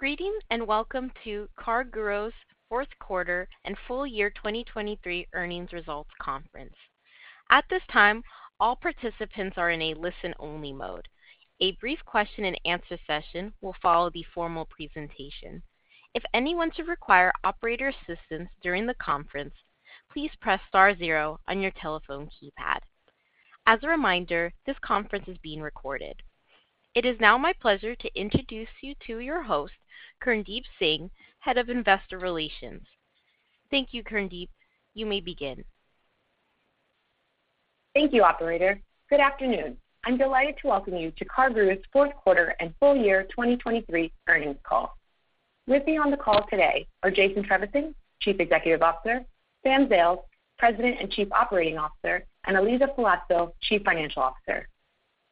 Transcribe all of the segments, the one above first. Greetings and welcome to CarGurus' fourth quarter and full year 2023 earnings results conference. At this time, all participants are in a listen-only mode. A brief question-and-answer session will follow the formal presentation. If anyone should require operator assistance during the conference, please press star zero on your telephone keypad. As a reminder, this conference is being recorded. It is now my pleasure to introduce you to your host, Kirndeep Singh, head of investor relations. Thank you, Kirndeep. You may begin. Thank you, operator. Good afternoon. I'm delighted to welcome you to CarGurus' fourth quarter and full year 2023 earnings call. With me on the call today are Jason Trevisan, Chief Executive Officer, Sam Zales, President and Chief Operating Officer, and Elisa Palazzo, Chief Financial Officer.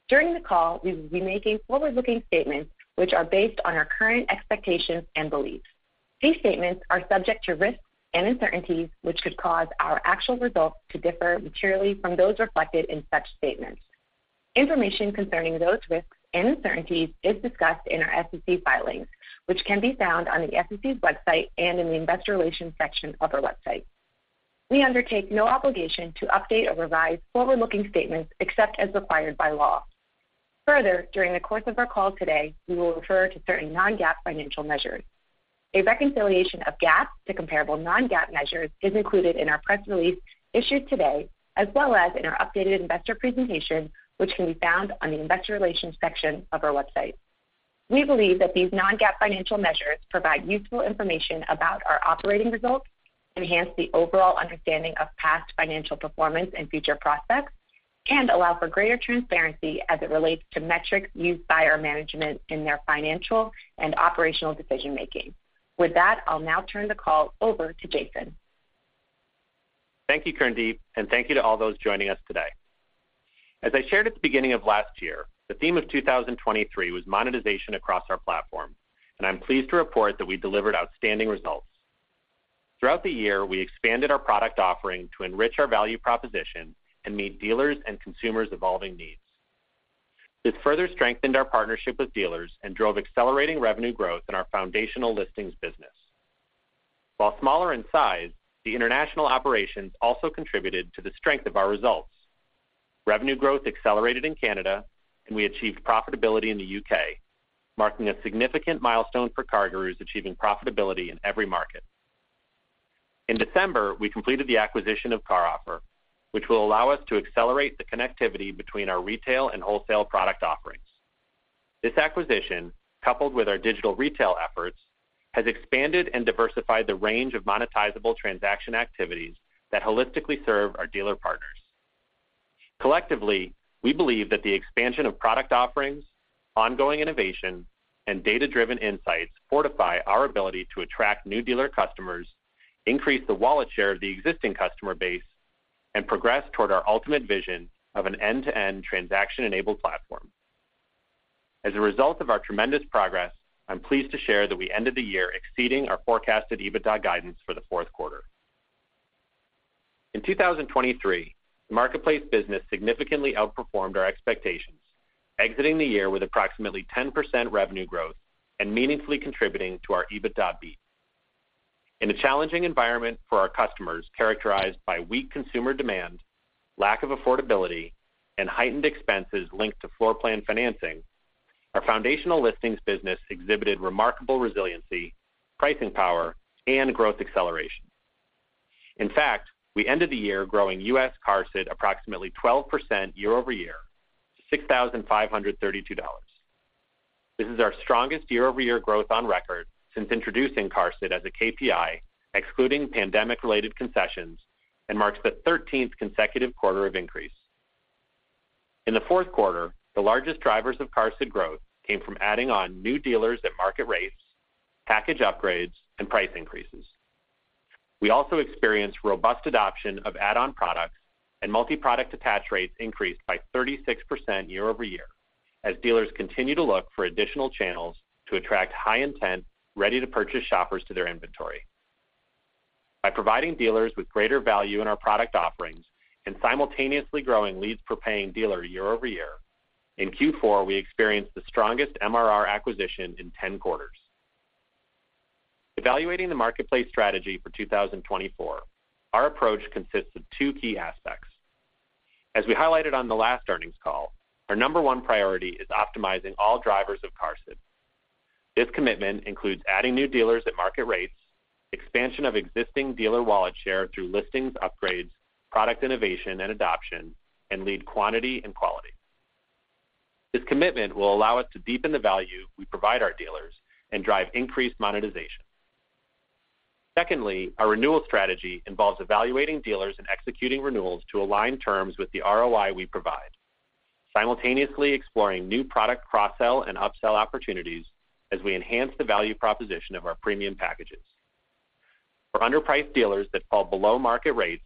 During the call, we will be making forward-looking statements which are based on our current expectations and beliefs. These statements are subject to risks and uncertainties which could cause our actual results to differ materially from those reflected in such statements. Information concerning those risks and uncertainties is discussed in our SEC filings, which can be found on the SEC's website and in the investor relations section of our website. We undertake no obligation to update or revise forward-looking statements except as required by law. Further, during the course of our call today, we will refer to certain non-GAAP financial measures. A reconciliation of GAAP to comparable non-GAAP measures is included in our press release issued today, as well as in our updated investor presentation, which can be found on the investor relations section of our website. We believe that these non-GAAP financial measures provide useful information about our operating results, enhance the overall understanding of past financial performance and future prospects, and allow for greater transparency as it relates to metrics used by our management in their financial and operational decision-making. With that, I'll now turn the call over to Jason. Thank you, Kirndeep, and thank you to all those joining us today. As I shared at the beginning of last year, the theme of 2023 was monetization across our platform, and I'm pleased to report that we delivered outstanding results. Throughout the year, we expanded our product offering to enrich our value proposition and meet dealers and consumers' evolving needs. This further strengthened our partnership with dealers and drove accelerating revenue growth in our foundational listings business. While smaller in size, the international operations also contributed to the strength of our results. Revenue growth accelerated in Canada, and we achieved profitability in the U.K., marking a significant milestone for CarGurus achieving profitability in every market. In December, we completed the acquisition of CarOffer, which will allow us to accelerate the connectivity between our retail and wholesale product offerings. This acquisition, coupled with our digital retail efforts, has expanded and diversified the range of monetizable transaction activities that holistically serve our dealer partners. Collectively, we believe that the expansion of product offerings, ongoing innovation, and data-driven insights fortify our ability to attract new dealer customers, increase the wallet share of the existing customer base, and progress toward our ultimate vision of an end-to-end transaction-enabled platform. As a result of our tremendous progress, I'm pleased to share that we ended the year exceeding our forecasted EBITDA guidance for the fourth quarter. In 2023, the marketplace business significantly outperformed our expectations, exiting the year with approximately 10% revenue growth and meaningfully contributing to our EBITDA beat. In a challenging environment for our customers characterized by weak consumer demand, lack of affordability, and heightened expenses linked to floor plan financing, our foundational listings business exhibited remarkable resiliency, pricing power, and growth acceleration. In fact, we ended the year growing US QARSD approximately 12% year-over-year to $6,532. This is our strongest year-over-year growth on record since introducing QARSD as a KPI, excluding pandemic-related concessions, and marks the 13th consecutive quarter of increase. In the fourth quarter, the largest drivers of QARSD growth came from adding on new dealers at market rates, package upgrades, and price increases. We also experienced robust adoption of add-on products and multi-product attach rates increased by 36% year-over-year as dealers continue to look for additional channels to attract high-intent, ready-to-purchase shoppers to their inventory. By providing dealers with greater value in our product offerings and simultaneously growing leads-per-paying dealer year-over-year, in Q4 we experienced the strongest MRR acquisition in 10 quarters. Evaluating the marketplace strategy for 2024, our approach consists of two key aspects. As we highlighted on the last earnings call, our number one priority is optimizing all drivers of QARSD. This commitment includes adding new dealers at market rates, expansion of existing dealer wallet share through listings upgrades, product innovation and adoption, and lead quantity and quality. This commitment will allow us to deepen the value we provide our dealers and drive increased monetization. Secondly, our renewal strategy involves evaluating dealers and executing renewals to align terms with the ROI we provide, simultaneously exploring new product cross-sell and upsell opportunities as we enhance the value proposition of our premium packages. For underpriced dealers that fall below market rates,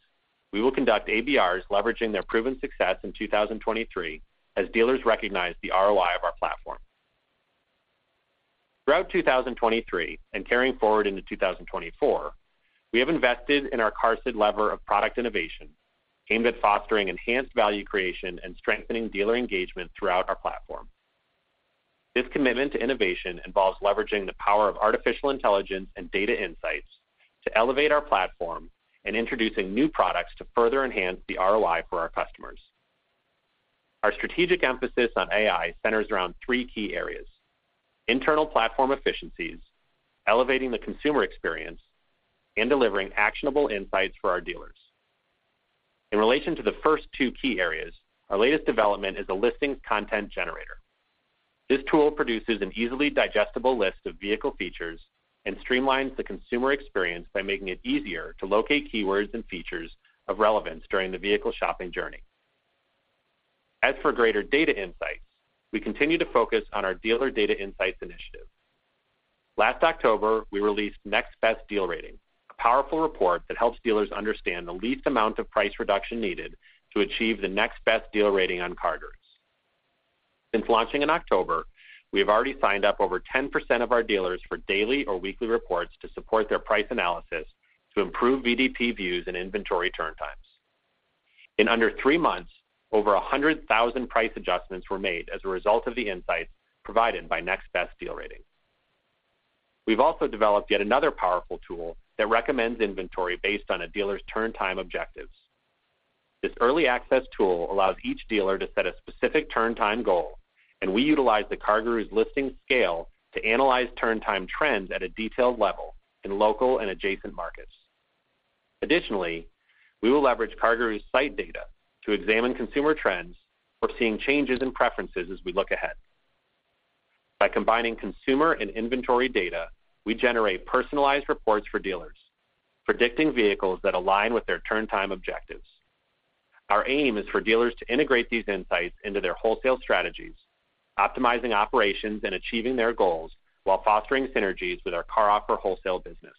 we will conduct ABRs leveraging their proven success in 2023 as dealers recognize the ROI of our platform. Throughout 2023 and carrying forward into 2024, we have invested in our QARSD lever of product innovation, aimed at fostering enhanced value creation and strengthening dealer engagement throughout our platform. This commitment to innovation involves leveraging the power of artificial intelligence and data insights to elevate our platform and introducing new products to further enhance the ROI for our customers. Our strategic emphasis on AI centers around three key areas: internal platform efficiencies, elevating the consumer experience, and delivering actionable insights for our dealers. In relation to the first two key areas, our latest development is a listings content generator. This tool produces an easily digestible list of vehicle features and streamlines the consumer experience by making it easier to locate keywords and features of relevance during the vehicle shopping journey. As for greater data insights, we continue to focus on our dealer data insights initiative. Last October, we released Next Best Deal Rating, a powerful report that helps dealers understand the least amount of price reduction needed to achieve the next best deal rating on CarGurus. Since launching in October, we have already signed up over 10% of our dealers for daily or weekly reports to support their price analysis to improve VDP views and inventory turn times. In under three months, over 100,000 price adjustments were made as a result of the insights provided by Next Best Deal Rating. We've also developed yet another powerful tool that recommends inventory based on a dealer's turn time objectives. This early access tool allows each dealer to set a specific turn time goal, and we utilize the CarGurus listings scale to analyze turn time trends at a detailed level in local and adjacent markets. Additionally, we will leverage CarGurus site data to examine consumer trends for seeing changes in preferences as we look ahead. By combining consumer and inventory data, we generate personalized reports for dealers, predicting vehicles that align with their turn time objectives. Our aim is for dealers to integrate these insights into their wholesale strategies, optimizing operations and achieving their goals while fostering synergies with our CarOffer wholesale business.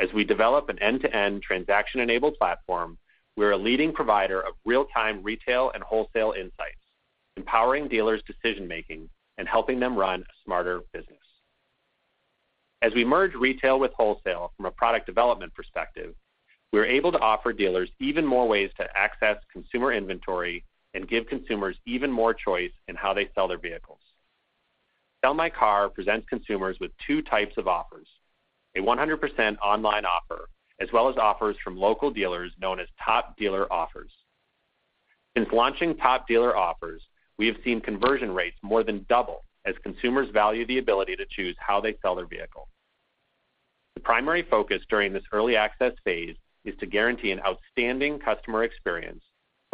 As we develop an end-to-end transaction-enabled platform, we're a leading provider of real-time retail and wholesale insights, empowering dealers' decision-making and helping them run a smarter business. As we merge retail with wholesale from a product development perspective, we're able to offer dealers even more ways to access consumer inventory and give consumers even more choice in how they sell their vehicles. Sell My Car presents consumers with two types of offers: a 100% online offer, as well as offers from local dealers known as Top Dealer Offers. Since launching Top Dealer Offers, we have seen conversion rates more than double as consumers value the ability to choose how they sell their vehicle. The primary focus during this early access phase is to guarantee an outstanding customer experience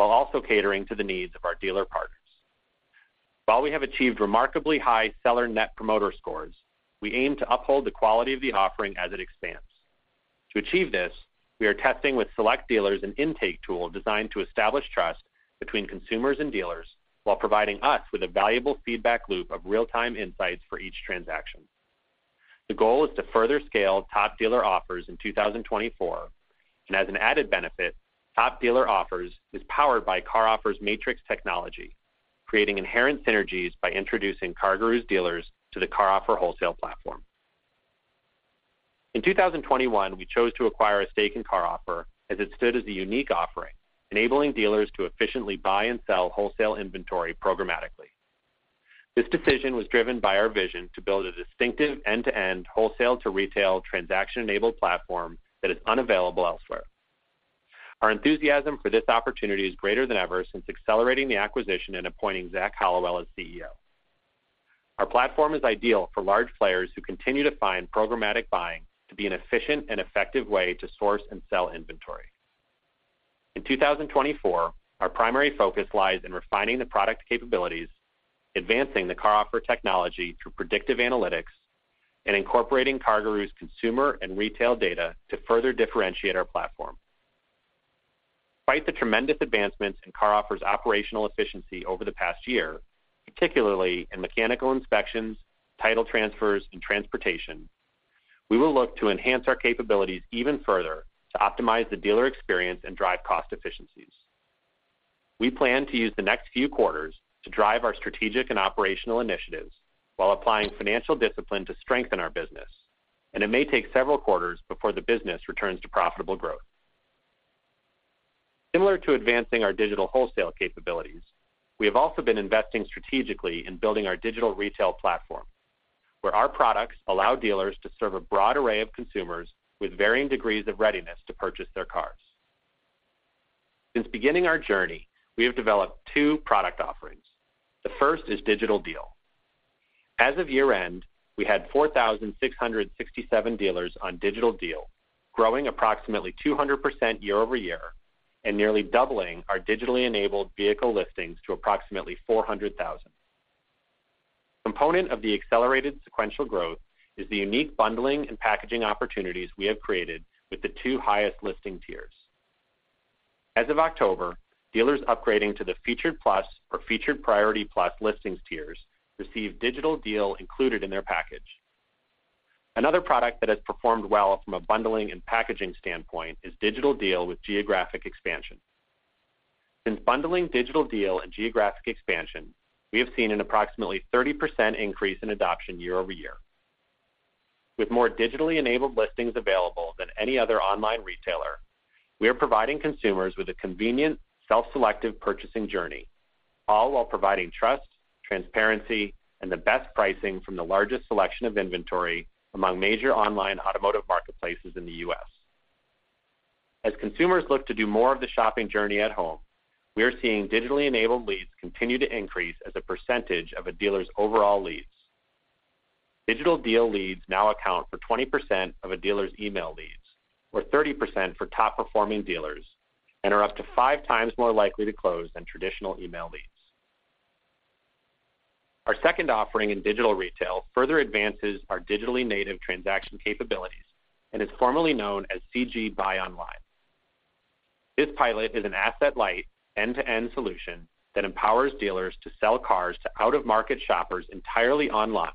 while also catering to the needs of our dealer partners. While we have achieved remarkably high seller Net Promoter Scores, we aim to uphold the quality of the offering as it expands. To achieve this, we are testing with select dealers an intake tool designed to establish trust between consumers and dealers while providing us with a valuable feedback loop of real-time insights for each transaction. The goal is to further scale Top Dealer Offers in 2024, and as an added benefit, Top Dealer Offers is powered by CarOffer's Matrix Technology, creating inherent synergies by introducing CarGurus dealers to the CarOffer wholesale platform. In 2021, we chose to acquire a stake in CarOffer as it stood as a unique offering, enabling dealers to efficiently buy and sell wholesale inventory programmatically. This decision was driven by our vision to build a distinctive end-to-end wholesale-to-retail transaction-enabled platform that is unavailable elsewhere. Our enthusiasm for this opportunity is greater than ever since accelerating the acquisition and appointing Zach Hallowell as CEO. Our platform is ideal for large players who continue to find programmatic buying to be an efficient and effective way to source and sell inventory. In 2024, our primary focus lies in refining the product capabilities, advancing the CarOffer technology through predictive analytics, and incorporating CarGurus consumer and retail data to further differentiate our platform. Despite the tremendous advancements in CarOffer's operational efficiency over the past year, particularly in mechanical inspections, title transfers, and transportation, we will look to enhance our capabilities even further to optimize the dealer experience and drive cost efficiencies. We plan to use the next few quarters to drive our strategic and operational initiatives while applying financial discipline to strengthen our business, and it may take several quarters before the business returns to profitable growth. Similar to advancing our digital wholesale capabilities, we have also been investing strategically in building our digital retail platform, where our products allow dealers to serve a broad array of consumers with varying degrees of readiness to purchase their cars. Since beginning our journey, we have developed two product offerings. The first is Digital Deal. As of year-end, we had 4,667 dealers on Digital Deal, growing approximately 200% year-over-year and nearly doubling our digitally-enabled vehicle listings to approximately 400,000. A component of the accelerated sequential growth is the unique bundling and packaging opportunities we have created with the two highest listing tiers. As of October, dealers upgrading to the Featured Plus or Featured Priority Plus listings tiers receive Digital Deal included in their package. Another product that has performed well from a bundling and packaging standpoint is Digital Deal with geographic expansion. Since bundling Digital Deal and geographic expansion, we have seen an approximately 30% increase in adoption year-over-year. With more digitally-enabled listings available than any other online retailer, we are providing consumers with a convenient, self-selective purchasing journey, all while providing trust, transparency, and the best pricing from the largest selection of inventory among major online automotive marketplaces in the U.S. As consumers look to do more of the shopping journey at home, we are seeing digitally-enabled leads continue to increase as a percentage of a dealer's overall leads. Digital Deal leads now account for 20% of a dealer's email leads or 30% for top-performing dealers and are up to five times more likely to close than traditional email leads. Our second offering in digital retail further advances our digitally-native transaction capabilities and is formally known as CG Buy Online. This pilot is an asset-light, end-to-end solution that empowers dealers to sell cars to out-of-market shoppers entirely online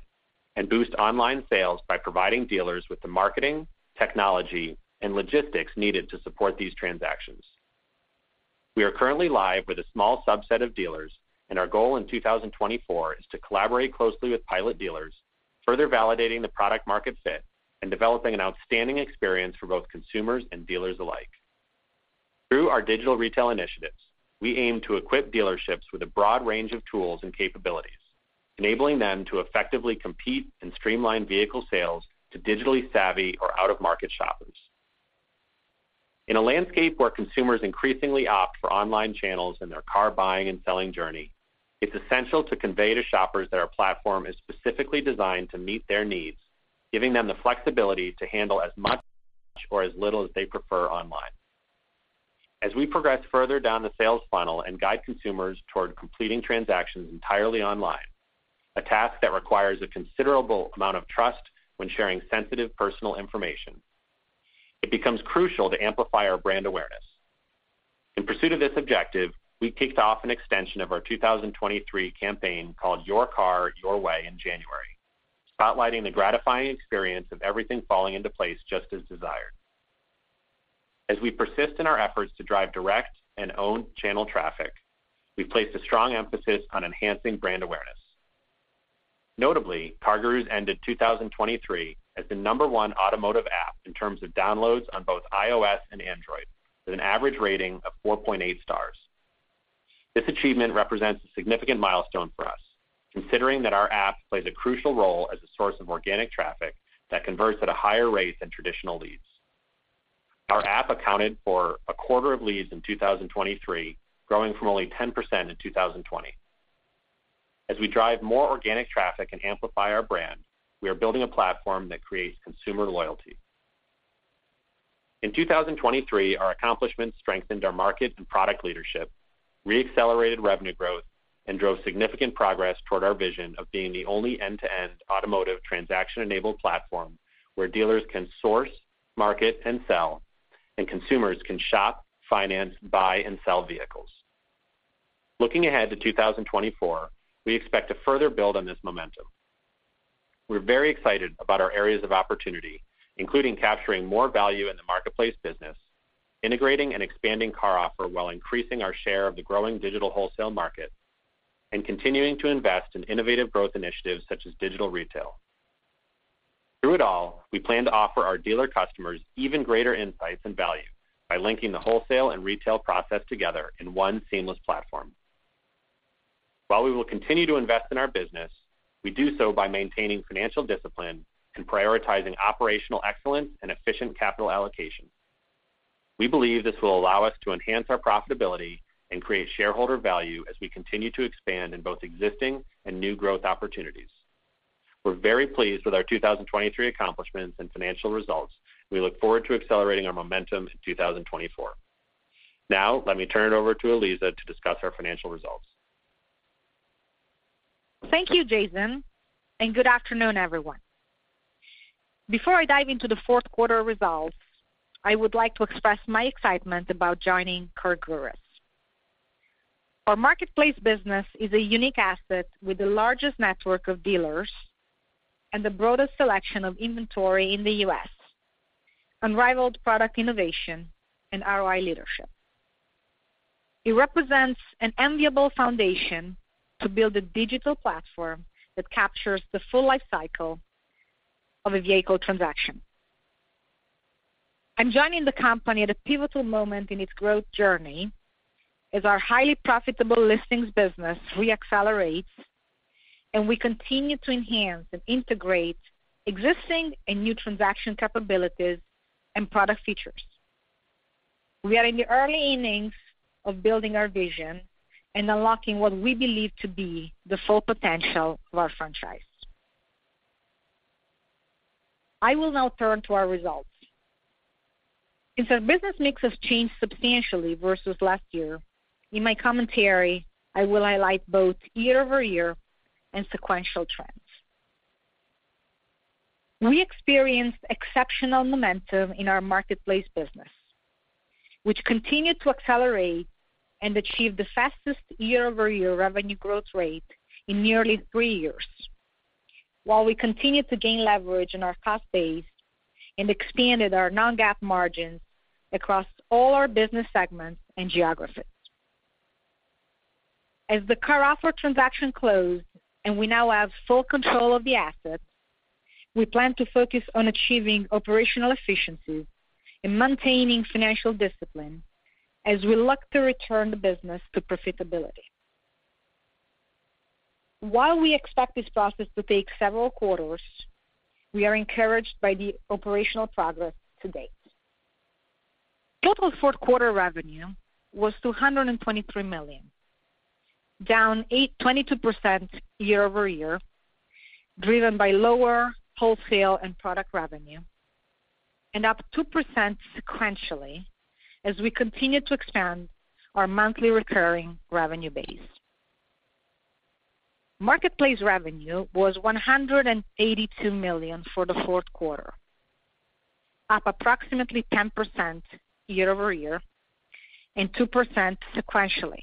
and boost online sales by providing dealers with the marketing, technology, and logistics needed to support these transactions. We are currently live with a small subset of dealers, and our goal in 2024 is to collaborate closely with pilot dealers, further validating the product-market fit and developing an outstanding experience for both consumers and dealers alike. Through our digital retail initiatives, we aim to equip dealerships with a broad range of tools and capabilities, enabling them to effectively compete and streamline vehicle sales to digitally savvy or out-of-market shoppers. In a landscape where consumers increasingly opt for online channels in their car buying and selling journey, it's essential to convey to shoppers that our platform is specifically designed to meet their needs, giving them the flexibility to handle as much or as little as they prefer online. As we progress further down the sales funnel and guide consumers toward completing transactions entirely online, a task that requires a considerable amount of trust when sharing sensitive personal information, it becomes crucial to amplify our brand awareness. In pursuit of this objective, we kicked off an extension of our 2023 campaign called Your Car, Your Way in January, spotlighting the gratifying experience of everything falling into place just as desired. As we persist in our efforts to drive direct and owned channel traffic, we place a strong emphasis on enhancing brand awareness. Notably, CarGurus ended 2023 as the number one automotive app in terms of downloads on both iOS and Android, with an average rating of 4.8 stars. This achievement represents a significant milestone for us, considering that our app plays a crucial role as a source of organic traffic that converts at a higher rate than traditional leads. Our app accounted for a quarter of leads in 2023, growing from only 10% in 2020. As we drive more organic traffic and amplify our brand, we are building a platform that creates consumer loyalty. In 2023, our accomplishments strengthened our market and product leadership, reaccelerated revenue growth, and drove significant progress toward our vision of being the only end-to-end automotive transaction-enabled platform where dealers can source, market, and sell, and consumers can shop, finance, buy, and sell vehicles. Looking ahead to 2024, we expect to further build on this momentum. We're very excited about our areas of opportunity, including capturing more value in the marketplace business, integrating and expanding CarOffer while increasing our share of the growing digital wholesale market, and continuing to invest in innovative growth initiatives such as digital retail. Through it all, we plan to offer our dealer customers even greater insights and value by linking the wholesale and retail process together in one seamless platform. While we will continue to invest in our business, we do so by maintaining financial discipline and prioritizing operational excellence and efficient capital allocation. We believe this will allow us to enhance our profitability and create shareholder value as we continue to expand in both existing and new growth opportunities. We're very pleased with our 2023 accomplishments and financial results, and we look forward to accelerating our momentum in 2024. Now, let me turn it over to Elisa to discuss our financial results. Thank you, Jason, and good afternoon, everyone. Before I dive into the fourth quarter results, I would like to express my excitement about joining CarGurus. Our marketplace business is a unique asset with the largest network of dealers and the broadest selection of inventory in the US, unrivaled product innovation, and ROI leadership. It represents an enviable foundation to build a digital platform that captures the full lifecycle of a vehicle transaction. I'm joining the company at a pivotal moment in its growth journey as our highly profitable listings business reaccelerates, and we continue to enhance and integrate existing and new transaction capabilities and product features. We are in the early innings of building our vision and unlocking what we believe to be the full potential of our franchise. I will now turn to our results. Since our business mix has changed substantially versus last year, in my commentary, I will highlight both year-over-year and sequential trends. We experienced exceptional momentum in our marketplace business, which continued to accelerate and achieve the fastest year-over-year revenue growth rate in nearly three years, while we continued to gain leverage in our cost base and expanded our non-GAAP margins across all our business segments and geographies. As the CarOffer transaction closed and we now have full control of the assets, we plan to focus on achieving operational efficiencies and maintaining financial discipline as we look to return the business to profitability. While we expect this process to take several quarters, we are encouraged by the operational progress to date. Total fourth quarter revenue was $223 million, down 22% year-over-year, driven by lower wholesale and product revenue, and up 2% sequentially as we continue to expand our monthly recurring revenue base. Marketplace revenue was $182 million for the fourth quarter, up approximately 10% year-over-year and 2% sequentially,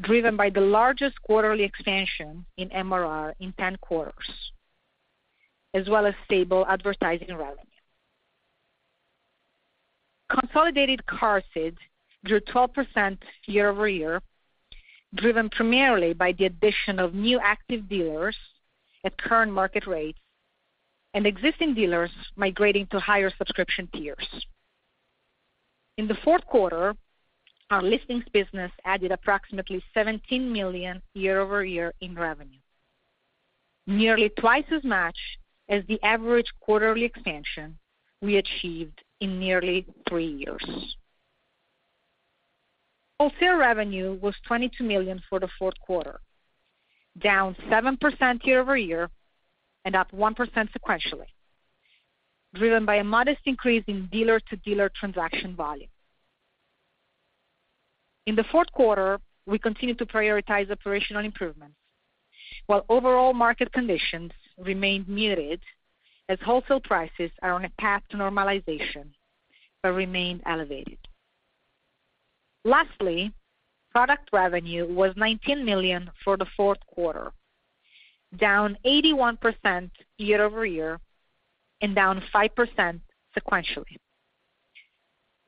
driven by the largest quarterly expansion in MRR in 10 quarters, as well as stable advertising revenue. Consolidated QARSD grew 12% year-over-year, driven primarily by the addition of new active dealers at current market rates and existing dealers migrating to higher subscription tiers. In the fourth quarter, our listings business added approximately $17 million year-over-year in revenue, nearly twice as much as the average quarterly expansion we achieved in nearly three years. Wholesale revenue was $22 million for the fourth quarter, down 7% year-over-year and up 1% sequentially, driven by a modest increase in dealer-to-dealer transaction volume. In the fourth quarter, we continued to prioritize operational improvements while overall market conditions remained muted as wholesale prices are on a path to normalization but remained elevated. Lastly, product revenue was $19 million for the fourth quarter, down 81% year-over-year and down 5% sequentially,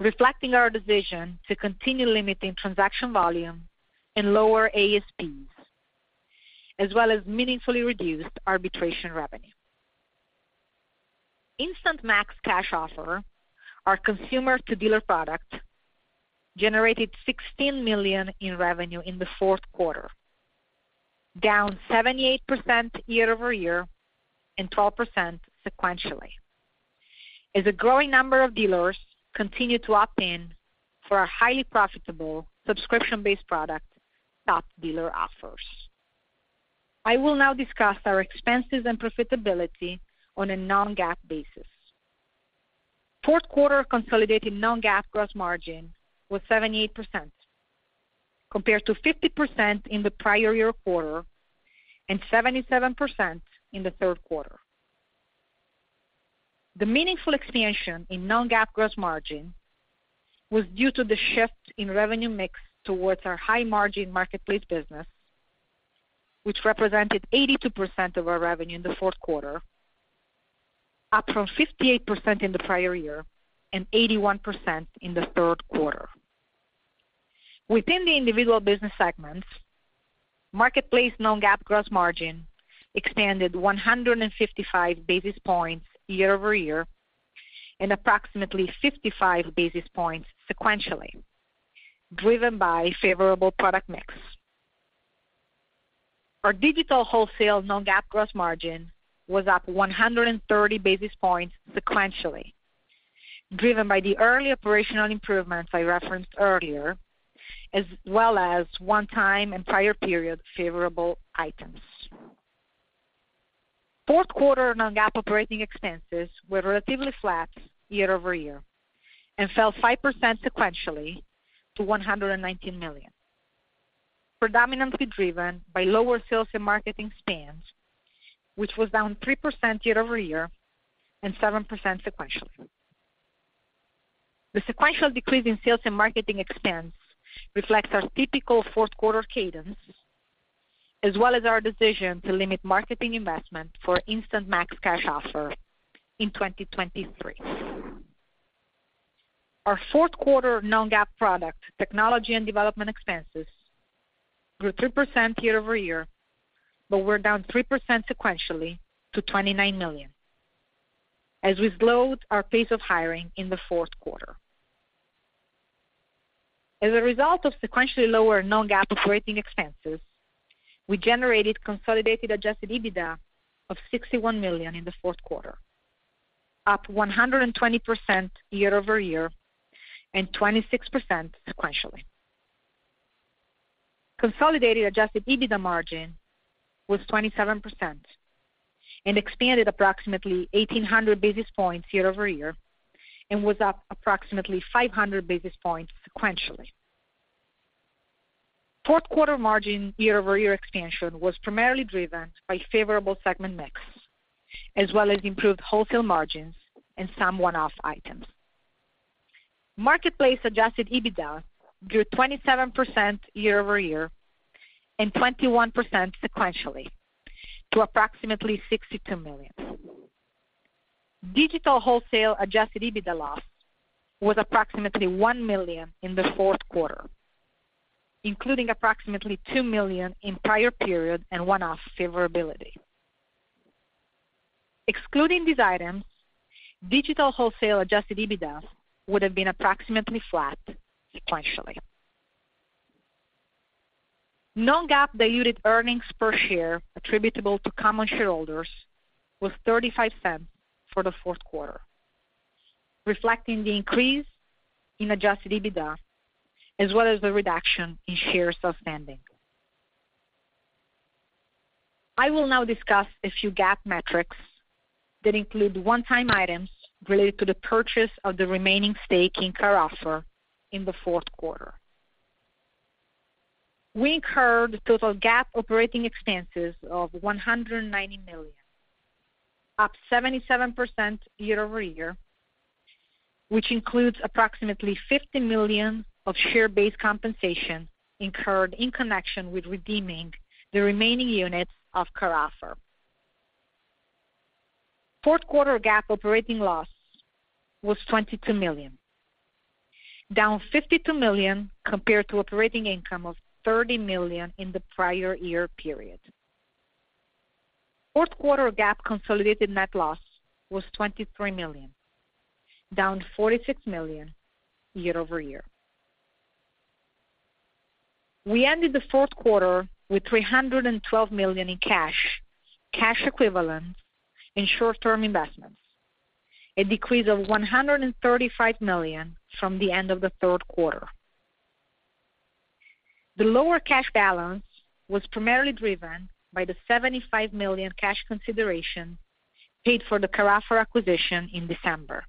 reflecting our decision to continue limiting transaction volume and lower ASPs, as well as meaningfully reduced arbitration revenue. Instant Max Cash Offer, our consumer-to-dealer product, generated $16 million in revenue in the fourth quarter, down 78% year-over-year and 12% sequentially, as a growing number of dealers continue to opt in for our highly profitable subscription-based product, Top Dealer Offers. I will now discuss our expenses and profitability on a non-GAAP basis. Fourth quarter consolidated non-GAAP gross margin was 78%, compared to 50% in the prior year quarter and 77% in the third quarter. The meaningful expansion in non-GAAP gross margin was due to the shift in revenue mix towards our high-margin marketplace business, which represented 82% of our revenue in the fourth quarter, up from 58% in the prior year and 81% in the third quarter. Within the individual business segments, marketplace non-GAAP gross margin expanded 155 basis points year-over-year and approximately 55 basis points sequentially, driven by favorable product mix. Our digital wholesale non-GAAP gross margin was up 130 basis points sequentially, driven by the early operational improvements I referenced earlier, as well as one-time and prior period favorable items. Fourth quarter non-GAAP operating expenses were relatively flat year-over-year and fell 5% sequentially to $119 million, predominantly driven by lower sales and marketing spend, which was down 3% year-over-year and 7% sequentially. The sequential decrease in sales and marketing expense reflects our typical fourth quarter cadence, as well as our decision to limit marketing investment for Instant Max Cash Offer in 2023. Our fourth quarter non-GAAP product, technology and development expenses, grew 3% year-over-year but were down 3% sequentially to $29 million, as we slowed our pace of hiring in the fourth quarter. As a result of sequentially lower non-GAAP operating expenses, we generated consolidated Adjusted EBITDA of $61 million in the fourth quarter, up 120% year-over-year and 26% sequentially. Consolidated Adjusted EBITDA margin was 27% and expanded approximately 1,800 basis points year-over-year and was up approximately 500 basis points sequentially. Fourth quarter margin year-over-year expansion was primarily driven by favorable segment mix, as well as improved wholesale margins and some one-off items. Marketplace Adjusted EBITDA grew 27% year-over-year and 21% sequentially to approximately $62 million. Digital wholesale Adjusted EBITDA loss was approximately $1 million in the fourth quarter, including approximately $2 million in prior period and one-off favorability. Excluding these items, digital wholesale Adjusted EBITDA would have been approximately flat sequentially. Non-GAAP diluted earnings per share attributable to common shareholders was $0.35 for the fourth quarter, reflecting the increase in Adjusted EBITDA as well as the reduction in shares outstanding. I will now discuss a few GAAP metrics that include one-time items related to the purchase of the remaining stake in CarOffer in the fourth quarter. We incurred total GAAP operating expenses of $190 million, up 77% year-over-year, which includes approximately $50 million of share-based compensation incurred in connection with redeeming the remaining units of CarOffer. Fourth quarter GAAP operating loss was $22 million, down $52 million compared to operating income of $30 million in the prior year period. Fourth quarter GAAP consolidated net loss was $23 million, down $46 million year-over-year. We ended the fourth quarter with $312 million in cash, cash equivalents, and short-term investments, a decrease of $135 million from the end of the third quarter. The lower cash balance was primarily driven by the $75 million cash consideration paid for the CarOffer acquisition in December,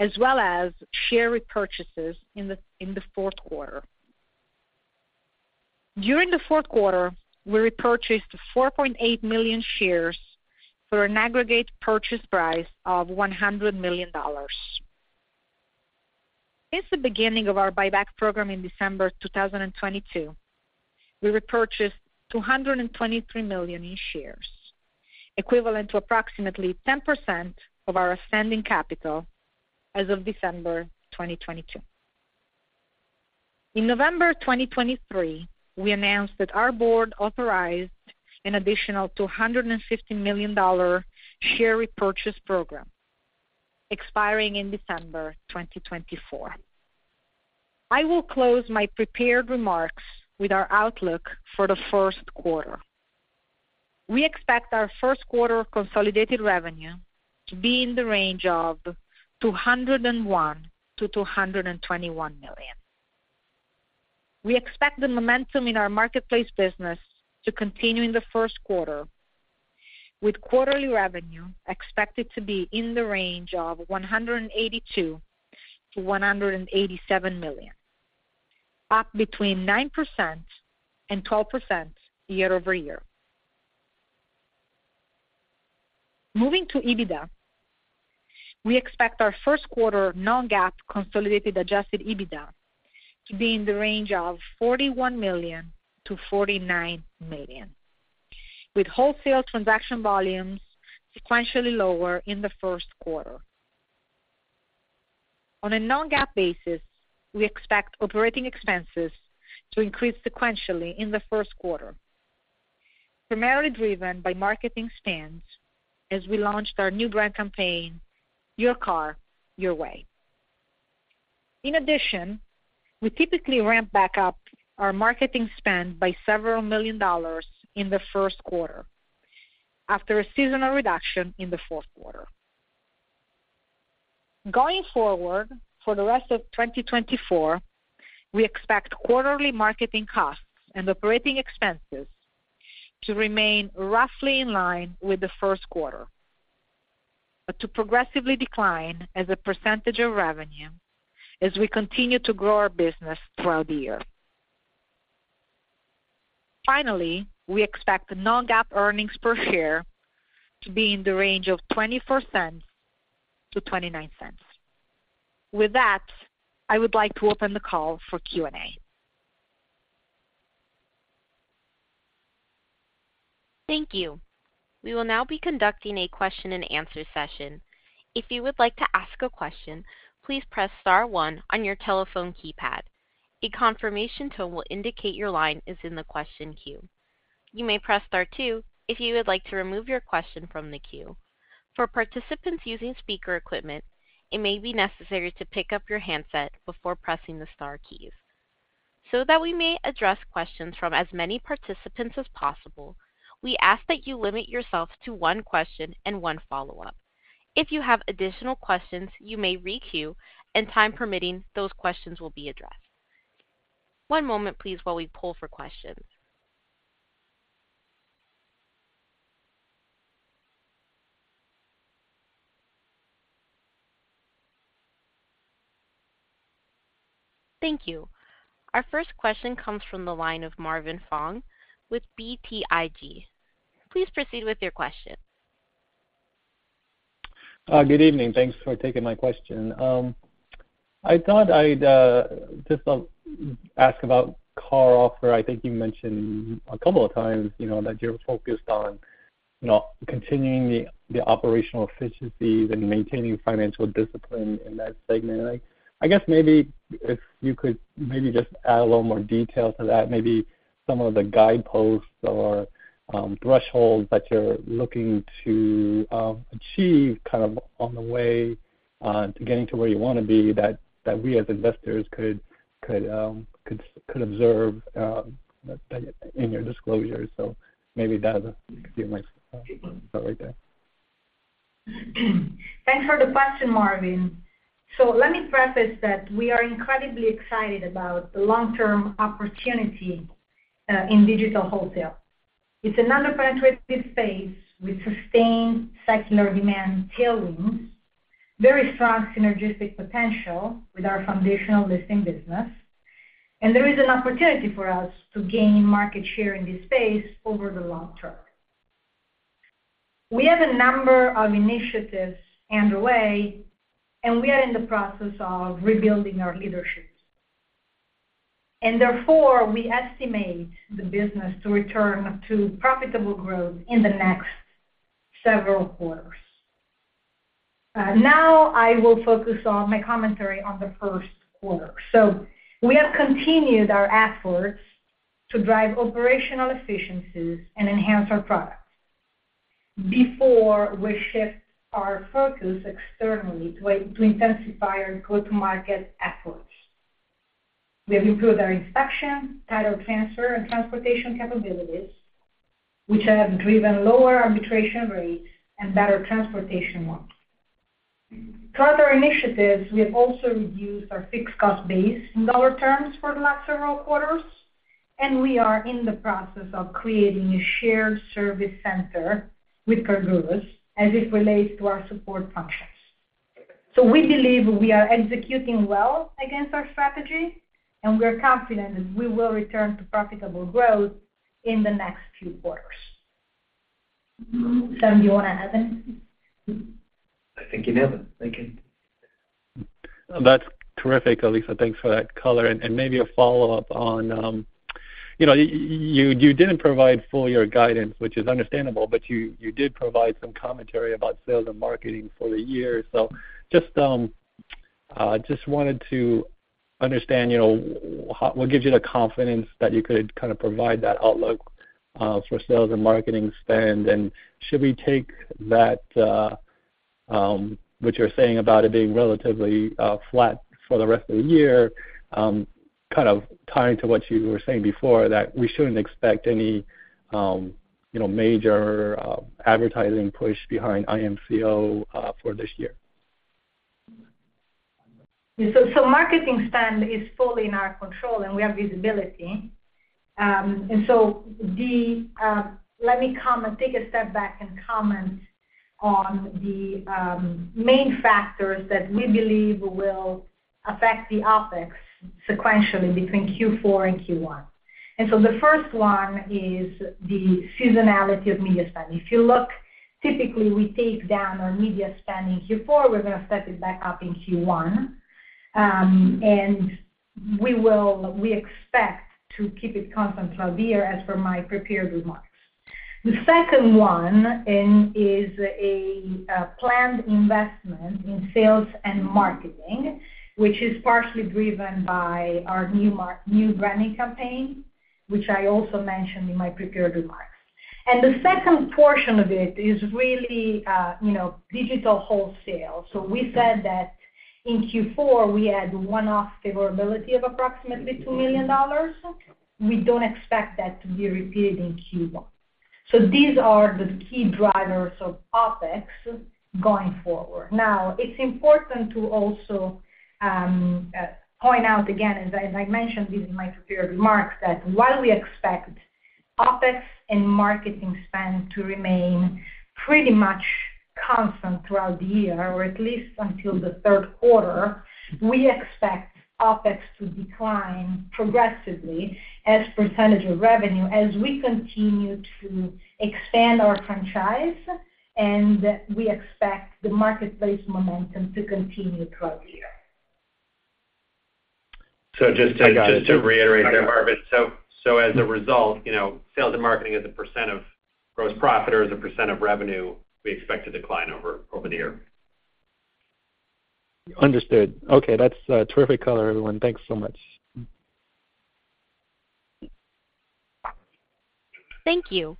as well as share repurchases in the fourth quarter. During the fourth quarter, we repurchased 4.8 million shares for an aggregate purchase price of $100 million. Since the beginning of our buyback program in December 2022, we repurchased $223 million in shares, equivalent to approximately 10% of our outstanding capital as of December 2022. In November 2023, we announced that our board authorized an additional $250 million share repurchase program, expiring in December 2024. I will close my prepared remarks with our outlook for the first quarter. We expect our first quarter consolidated revenue to be in the range of $201 million-$221 million. We expect the momentum in our marketplace business to continue in the first quarter, with quarterly revenue expected to be in the range of $182 million-$187 million, up 9%-12% year-over-year. Moving to EBITDA, we expect our first quarter non-GAAP consolidated adjusted EBITDA to be in the range of $41 million-$49 million, with wholesale transaction volumes sequentially lower in the first quarter. On a non-GAAP basis, we expect operating expenses to increase sequentially in the first quarter, primarily driven by marketing spends as we launched our new brand campaign, Your Car, Your Way. In addition, we typically ramp back up our marketing spend by several million dollars in the first quarter after a seasonal reduction in the fourth quarter. Going forward for the rest of 2024, we expect quarterly marketing costs and operating expenses to remain roughly in line with the first quarter, but to progressively decline as a percentage of revenue as we continue to grow our business throughout the year. Finally, we expect non-GAAP earnings per share to be in the range of $0.24-$0.29. With that, I would like to open the call for Q&A. Thank you. We will now be conducting a question-and-answer session. If you would like to ask a question, please press star one on your telephone keypad. A confirmation tone will indicate your line is in the question queue. You may press star two if you would like to remove your question from the queue. For participants using speaker equipment, it may be necessary to pick up your handset before pressing the star keys. So that we may address questions from as many participants as possible, we ask that you limit yourself to one question and one follow-up. If you have additional questions, you may re-queue and time permitting, those questions will be addressed. One moment, please, while we pull for questions. Thank you. Our first question comes from the line of Marvin Fong with BTIG. Please proceed with your question. Good evening. Thanks for taking my question. I thought I'd just ask about CarOffer. I think you mentioned a couple of times that you're focused on continuing the operational efficiencies and maintaining financial discipline in that segment. And I guess maybe if you could maybe just add a little more detail to that, maybe some of the guideposts or thresholds that you're looking to achieve kind of on the way to getting to where you want to be that we as investors could observe in your disclosure. So maybe that is a few of my thoughts right there. Thanks for the question, Marvin. Let me preface that we are incredibly excited about the long-term opportunity in digital wholesale. It's an under-penetrated space with sustained secular demand tailwinds, very strong synergistic potential with our foundational listing business, and there is an opportunity for us to gain market share in this space over the long term. We have a number of initiatives underway, and we are in the process of rebuilding our leadership. Therefore, we estimate the business to return to profitable growth in the next several quarters. Now I will focus on my commentary on the first quarter. We have continued our efforts to drive operational efficiencies and enhance our product before we shift our focus externally to intensify our go-to-market efforts. We have improved our inspection, title transfer, and transportation capabilities, which have driven lower arbitration rates and better transportation work. Throughout our initiatives, we have also reduced our fixed cost base in dollar terms for the last several quarters, and we are in the process of creating a shared service center with CarGurus as it relates to our support functions. So we believe we are executing well against our strategy, and we are confident that we will return to profitable growth in the next few quarters. Sam, do you want to add anything? I think you nailed it. Thank you. That's terrific, Elisa. Thanks for that color. And maybe a follow-up on you didn't provide full year guidance, which is understandable, but you did provide some commentary about sales and marketing for the year. So just wanted to understand what gives you the confidence that you could kind of provide that outlook for sales and marketing spend. And should we take that, what you're saying about it being relatively flat for the rest of the year, kind of tying to what you were saying before, that we shouldn't expect any major advertising push behind IMCO for this year? Marketing spend is fully in our control, and we have visibility. Let me take a step back and comment on the main factors that we believe will affect OpEx sequentially between Q4 and Q1. The first one is the seasonality of media spend. If you look, typically, we take down our media spend in Q4. We're going to step it back up in Q1. And we expect to keep it constant throughout the year as per my prepared remarks. The second one is a planned investment in sales and marketing, which is partially driven by our new branding campaign, which I also mentioned in my prepared remarks. The second portion of it is really digital wholesale. We said that in Q4, we had one-off favorability of approximately $2 million. We don't expect that to be repeated in Q1. So these are the key drivers of OpEx going forward. Now, it's important to also point out again, as I mentioned in my prepared remarks, that while we expect OpEx and marketing spend to remain pretty much constant throughout the year, or at least until the third quarter, we expect OpEx to decline progressively as percentage of revenue as we continue to expand our franchise, and we expect the marketplace momentum to continue throughout the year. Just to reiterate there, Marvin, so as a result, sales and marketing as a % of gross profit or as a % of revenue, we expect to decline over the year. Understood. Okay. That's terrific color, everyone. Thanks so much. Thank you.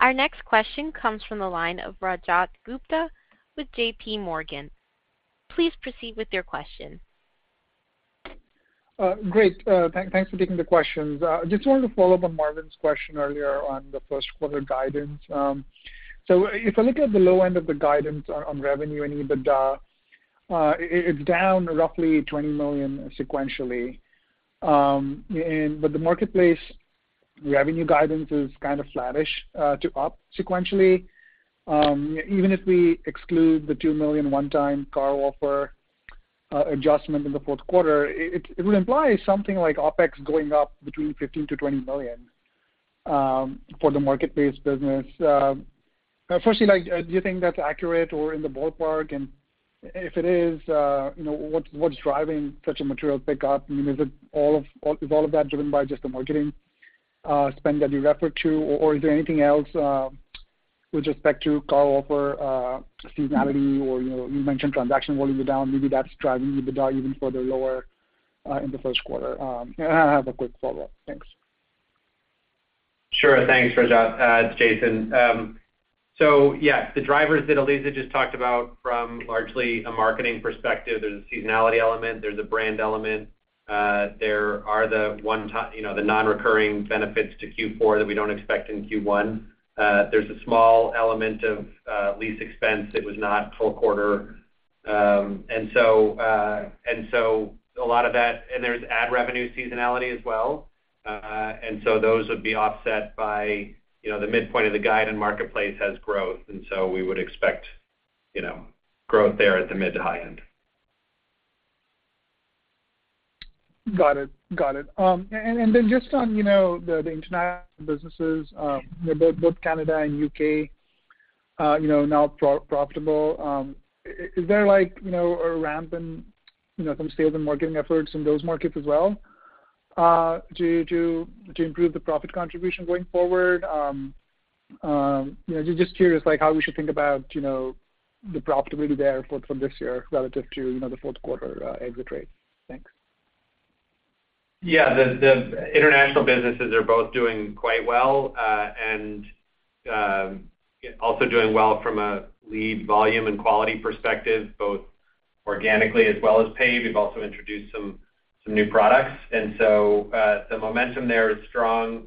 Our next question comes from the line of Rajat Gupta with JPMorgan. Please proceed with your question. Great. Thanks for taking the questions. I just wanted to follow up on Marvin's question earlier on the first quarter guidance. So if I look at the low end of the guidance on revenue and EBITDA, it's down roughly $20 million sequentially. But the marketplace revenue guidance is kind of flattish to up sequentially. Even if we exclude the $2 million one-time CarOffer adjustment in the fourth quarter, it would imply something like OpEx going up between $15 million-$20 million for the marketplace business. Firstly, do you think that's accurate or in the ballpark? And if it is, what's driving such a material pickup? Is all of that driven by just the marketing spend that you referred to, or is there anything else with respect to CarOffer seasonality, or you mentioned transaction volume down. Maybe that's driving EBITDA even further lower in the first quarter. I have a quick follow-up. Thanks. Sure. Thanks, Rajat. Jason. So yeah, the drivers that Elisa just talked about from largely a marketing perspective, there's a seasonality element. There's a brand element. There are the non-recurring benefits to Q4 that we don't expect in Q1. There's a small element of lease expense that was not full quarter. And so a lot of that and there's ad revenue seasonality as well. And so those would be offset by the midpoint of the guide and marketplace has growth. And so we would expect growth there at the mid to high end. Got it. Got it. And then just on the international businesses, both Canada and UK, now profitable, is there a ramp in some sales and marketing efforts in those markets as well to improve the profit contribution going forward? Just curious how we should think about the profitability there for this year relative to the fourth quarter exit rate. Thanks. Yeah. The international businesses are both doing quite well and also doing well from a lead volume and quality perspective, both organically as well as pay. We've also introduced some new products. So the momentum there is strong.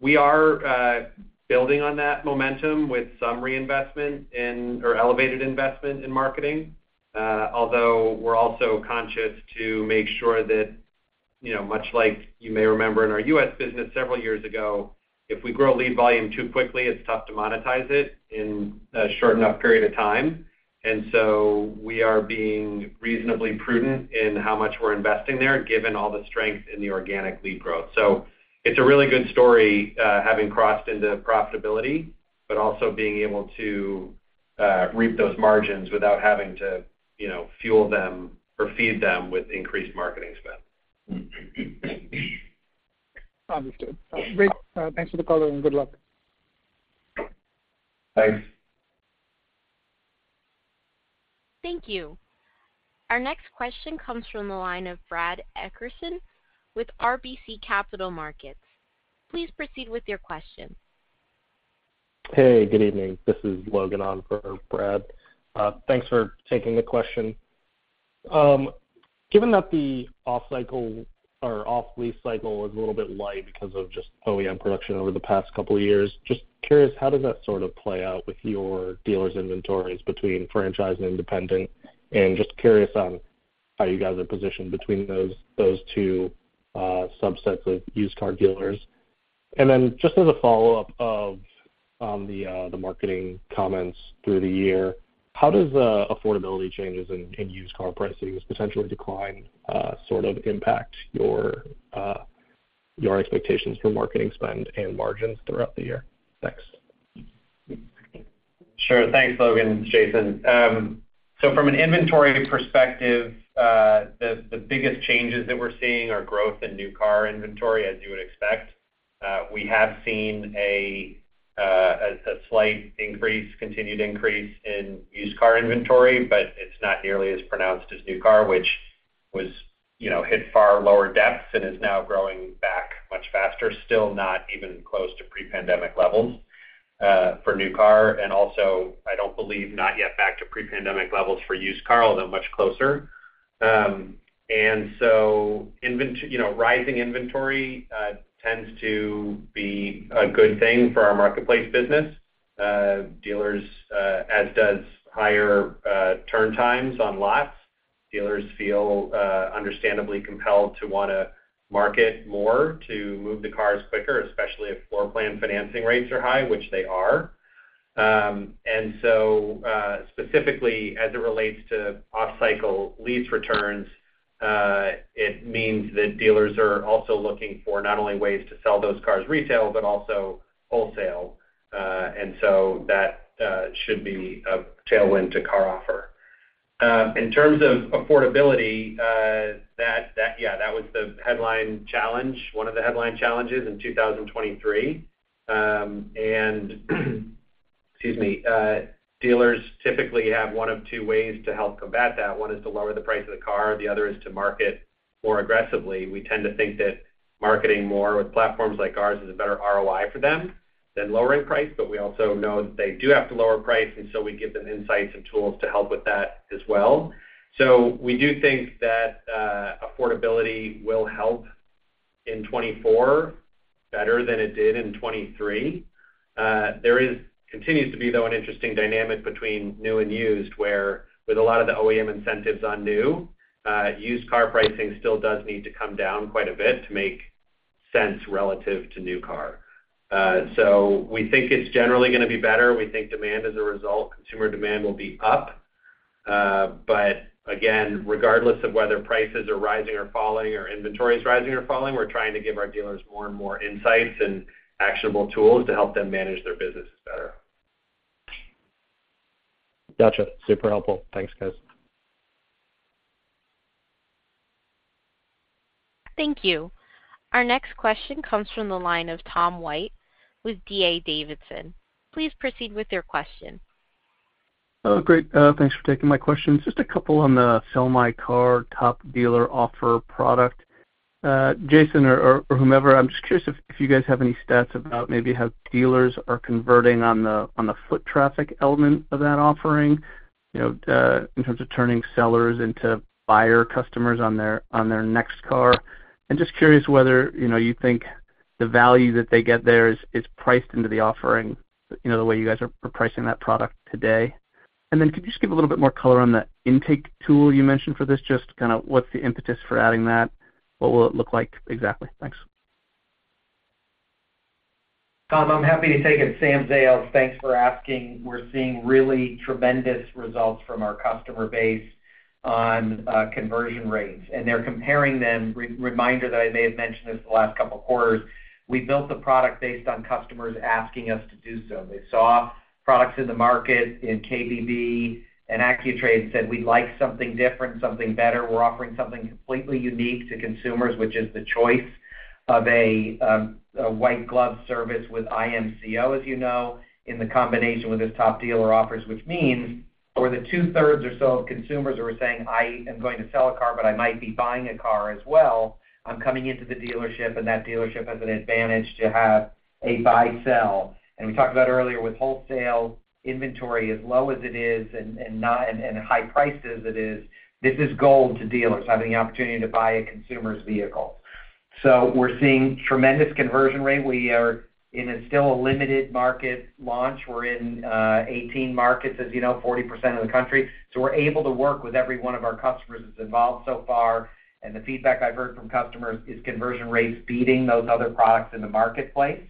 We are building on that momentum with some reinvestment or elevated investment in marketing, although we're also conscious to make sure that, much like you may remember in our U.S. business several years ago, if we grow lead volume too quickly, it's tough to monetize it in a short enough period of time. We are being reasonably prudent in how much we're investing there given all the strength in the organic lead growth. It's a really good story having crossed into profitability but also being able to reap those margins without having to fuel them or feed them with increased marketing spend. Understood. Great. Thanks for the color, and good luck. Thanks. Thank you. Our next question comes from the line of Brad Eckerson with RBC Capital Markets. Please proceed with your question. Hey, good evening. This is Logan on for Brad. Thanks for taking the question. Given that the off-cycle or off-lease cycle is a little bit light because of just OEM production over the past couple of years, just curious, how does that sort of play out with your dealers' inventories between franchise and independent? And just curious on how you guys are positioned between those two subsets of used car dealers. And then just as a follow-up on the marketing comments through the year, how does affordability changes in used car pricing's potentially declined sort of impact your expectations for marketing spend and margins throughout the year? Thanks. Sure. Thanks, Logan and Jason. So from an inventory perspective, the biggest changes that we're seeing are growth in new car inventory, as you would expect. We have seen a slight continued increase in used car inventory, but it's not nearly as pronounced as new car, which was hit far lower depths and is now growing back much faster, still not even close to pre-pandemic levels for new car. And also, I don't believe not yet back to pre-pandemic levels for used car, although much closer. And so rising inventory tends to be a good thing for our marketplace business. As does higher turn times on lots. Dealers feel understandably compelled to want to market more, to move the cars quicker, especially if floor plan financing rates are high, which they are. And so specifically, as it relates to off-cycle lease returns, it means that dealers are also looking for not only ways to sell those cars retail, but also wholesale. And so that should be a tailwind to CarOffer. In terms of affordability, yeah, that was one of the headline challenges in 2023. And excuse me, dealers typically have one of two ways to help combat that. One is to lower the price of the car. The other is to market more aggressively. We tend to think that marketing more with platforms like ours is a better ROI for them than lowering price. But we also know that they do have to lower price. And so we give them insights and tools to help with that as well. So we do think that affordability will help in 2024 better than it did in 2023. There continues to be, though, an interesting dynamic between new and used where, with a lot of the OEM incentives on new, used car pricing still does need to come down quite a bit to make sense relative to new car. So we think it's generally going to be better. We think demand as a result, consumer demand, will be up. But again, regardless of whether prices are rising or falling or inventory is rising or falling, we're trying to give our dealers more and more insights and actionable tools to help them manage their businesses better. Gotcha. Super helpful. Thanks, guys. Thank you. Our next question comes from the line of Tom White with DA Davidson. Please proceed with your question. Great. Thanks for taking my questions. Just a couple on the Sell My Car Top Dealer Offer product. Jason or whomever, I'm just curious if you guys have any stats about maybe how dealers are converting on the foot traffic element of that offering in terms of turning sellers into buyer customers on their next car. And just curious whether you think the value that they get there is priced into the offering, the way you guys are pricing that product today. And then could you just give a little bit more color on the intake tool you mentioned for this? Just kind of what's the impetus for adding that? What will it look like exactly? Thanks. Tom, I'm happy to take it. Sam Zales, thanks for asking. We're seeing really tremendous results from our customer base on conversion rates. They're comparing them. Reminder that I may have mentioned this the last couple of quarters. We built the product based on customers asking us to do so. They saw products in the market in KBB and AccuTrade and said, "We'd like something different, something better." We're offering something completely unique to consumers, which is the choice of a white glove service with IMCO, as you know, in the combination with this Top Dealer Offers, which means where the two-thirds or so of consumers who are saying, "I am going to sell a car, but I might be buying a car as well. I'm coming into the dealership, and that dealership has an advantage to have a buy-sell." We talked about earlier with wholesale, inventory as low as it is and high price as it is. This is gold to dealers having the opportunity to buy a consumer's vehicle. So we're seeing tremendous conversion rate. We are in still a limited market launch. We're in 18 markets, as you know, 40% of the country. So we're able to work with every one of our customers that's involved so far. And the feedback I've heard from customers is conversion rates beating those other products in the marketplace.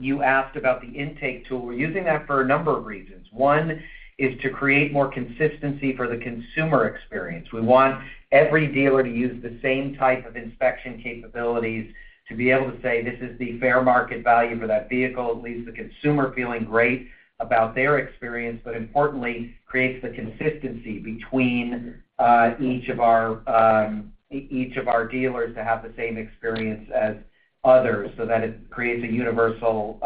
You asked about the intake tool. We're using that for a number of reasons. One is to create more consistency for the consumer experience. We want every dealer to use the same type of inspection capabilities to be able to say, "This is the fair market value for that vehicle." It leaves the consumer feeling great about their experience, but importantly, creates the consistency between each of our dealers to have the same experience as others so that it creates a universal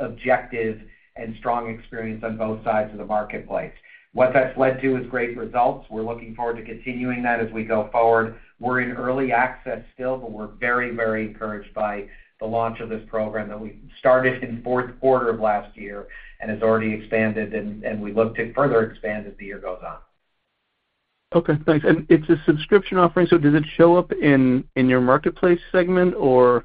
objective and strong experience on both sides of the marketplace. What that's led to is great results. We're looking forward to continuing that as we go forward. We're in early access still, but we're very, very encouraged by the launch of this program that we started in fourth quarter of last year and has already expanded. We look to further expand as the year goes on. Okay. Thanks. It's a subscription offering. Does it show up in your marketplace segment, or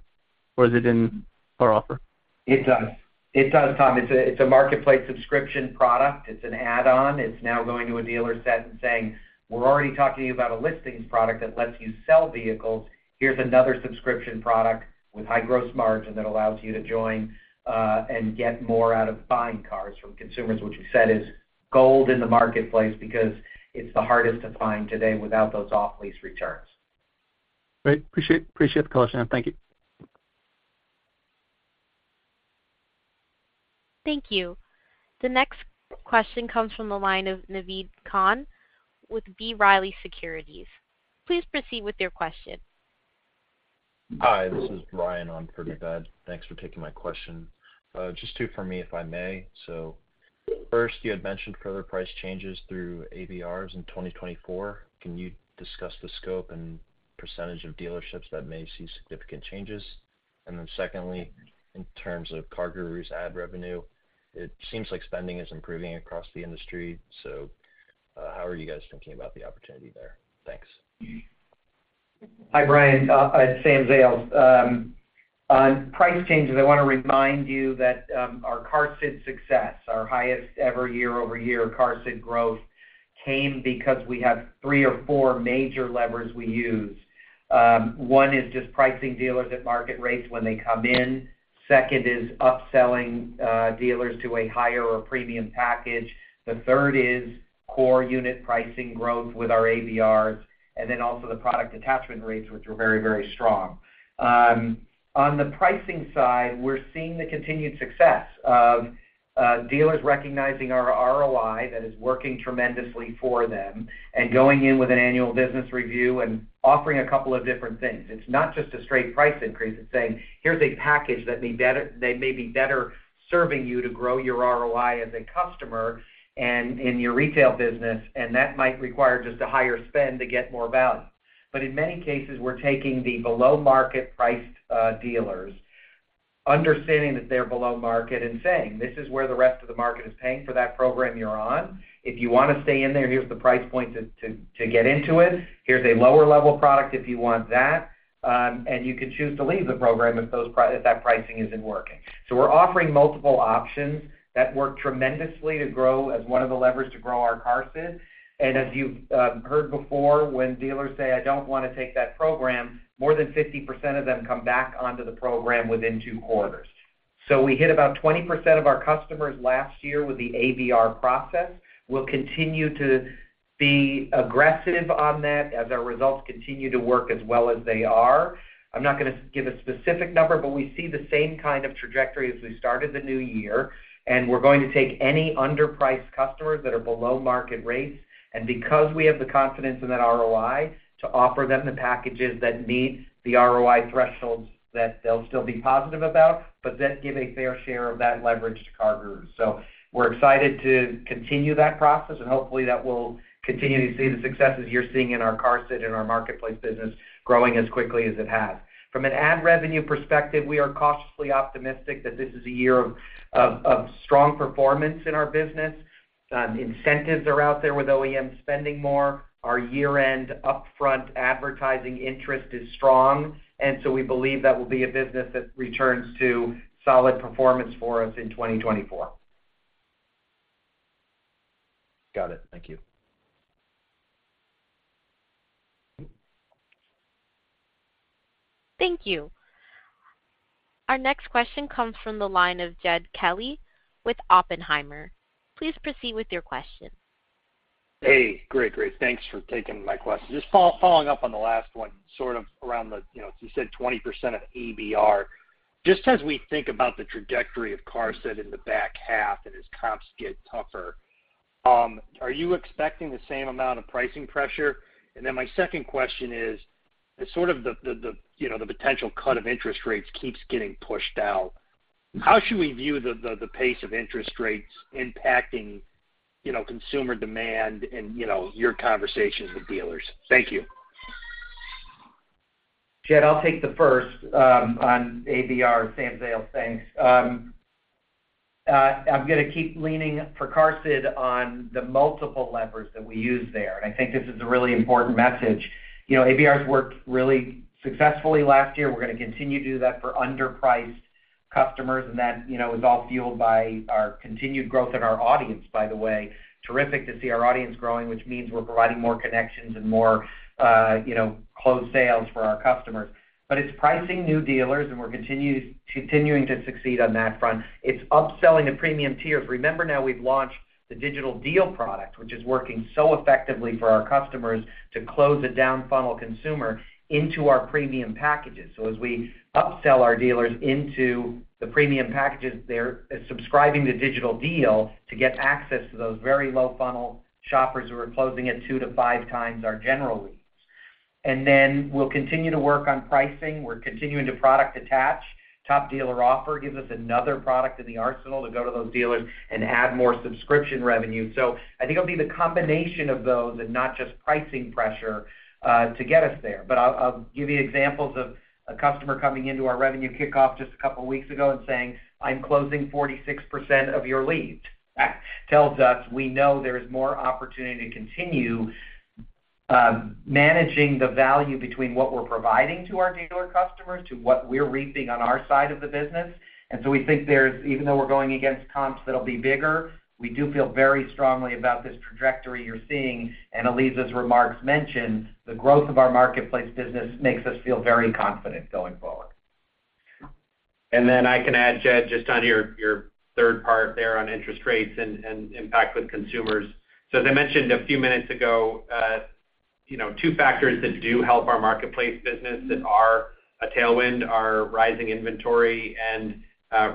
is it in CarOffer? It does. It does, Tom. It's a marketplace subscription product. It's an add-on. It's now going to a dealer set and saying, "We're already talking to you about a listings product that lets you sell vehicles. Here's another subscription product with high gross margin that allows you to join and get more out of buying cars from consumers," which we said is gold in the marketplace because it's the hardest to find today without those off-lease returns. Great. Appreciate the color, Sam. Thank you. Thank you. The next question comes from the line of Naveed Khan with B Riley Securities. Please proceed with your question. Hi. This is Ryan on for Naveed. Thanks for taking my question. Just two for me, if I may. So first, you had mentioned further price changes through ABRs in 2024. Can you discuss the scope and percentage of dealerships that may see significant changes? And then secondly, in terms of CarGurus ad revenue, it seems like spending is improving across the industry. So how are you guys thinking about the opportunity there? Thanks. Hi, Ryan. Sam Zales. On price changes, I want to remind you that our QARSD success, our highest ever year-over-year QARSD growth, came because we have three or four major levers we use. One is just pricing dealers at market rates when they come in. Second is upselling dealers to a higher or premium package. The third is core unit pricing growth with our ABRs and then also the product attachment rates, which are very, very strong. On the pricing side, we're seeing the continued success of dealers recognizing our ROI that is working tremendously for them and going in with an annual business review and offering a couple of different things. It's not just a straight price increase. It's saying, "Here's a package that may be better serving you to grow your ROI as a customer and in your retail business." And that might require just a higher spend to get more value. But in many cases, we're taking the below-market-priced dealers, understanding that they're below market, and saying, "This is where the rest of the market is paying for that program you're on. If you want to stay in there, here's the price point to get into it. Here's a lower-level product if you want that. And you can choose to leave the program if that pricing isn't working." So we're offering multiple options that work tremendously to grow as one of the levers to grow our QARSD. And as you've heard before, when dealers say, "I don't want to take that program," more than 50% of them come back onto the program within two quarters. So we hit about 20% of our customers last year with the ABR process. We'll continue to be aggressive on that as our results continue to work as well as they are. I'm not going to give a specific number, but we see the same kind of trajectory as we started the new year. And we're going to take any underpriced customers that are below market rates and because we have the confidence in that ROI to offer them the packages that meet the ROI thresholds that they'll still be positive about, but then give a fair share of that leverage to CarGurus. So we're excited to continue that process. And hopefully, that will continue to see the successes you're seeing in our QARSD and our marketplace business growing as quickly as it has. From an ad revenue perspective, we are cautiously optimistic that this is a year of strong performance in our business. Incentives are out there with OEM spending more. Our year-end upfront advertising interest is strong. And so we believe that will be a business that returns to solid performance for us in 2024. Got it. Thank you. Thank you. Our next question comes from the line of Jed Kelly with Oppenheimer. Please proceed with your question. Hey. Great, great. Thanks for taking my question. Just following up on the last one sort of around the, you said 20% of ABR. Just as we think about the trajectory of QARSD in the back half and as comps get tougher, are you expecting the same amount of pricing pressure? And then my second question is, as sort of the potential cut of interest rates keeps getting pushed out, how should we view the pace of interest rates impacting consumer demand and your conversations with dealers? Thank you. Jed, I'll take the first on ABR. Sam Zales, thanks. I'm going to keep leaning on the multiple levers that we use there. And I think this is a really important message. ABRs worked really successfully last year. We're going to continue to do that for underpriced customers. And that was all fueled by our continued growth in our audience, by the way. Terrific to see our audience growing, which means we're providing more connections and more closed sales for our customers. But it's pricing new dealers, and we're continuing to succeed on that front. It's upselling the premium tiers. Remember now we've launched the Digital Deal product, which is working so effectively for our customers to close a downfunnel consumer into our premium packages. So as we upsell our dealers into the premium packages, they're subscribing to Digital Deal to get access to those very low-funnel shoppers who are closing at 2x-5x our general leads. Then we'll continue to work on pricing. We're continuing to product attach. Top Dealer Offer gives us another product in the arsenal to go to those dealers and add more subscription revenue. So I think it'll be the combination of those and not just pricing pressure to get us there. But I'll give you examples of a customer coming into our revenue kickoff just a couple of weeks ago and saying, "I'm closing 46% of your leads." That tells us we know there is more opportunity to continue managing the value between what we're providing to our dealer customers to what we're reaping on our side of the business. And so we think there's even though we're going against comps that'll be bigger, we do feel very strongly about this trajectory you're seeing. Elisa's remarks mention the growth of our marketplace business makes us feel very confident going forward. Then I can add, Jed, just on your third part there on interest rates and impact with consumers. So as I mentioned a few minutes ago, two factors that do help our marketplace business that are a tailwind are rising inventory and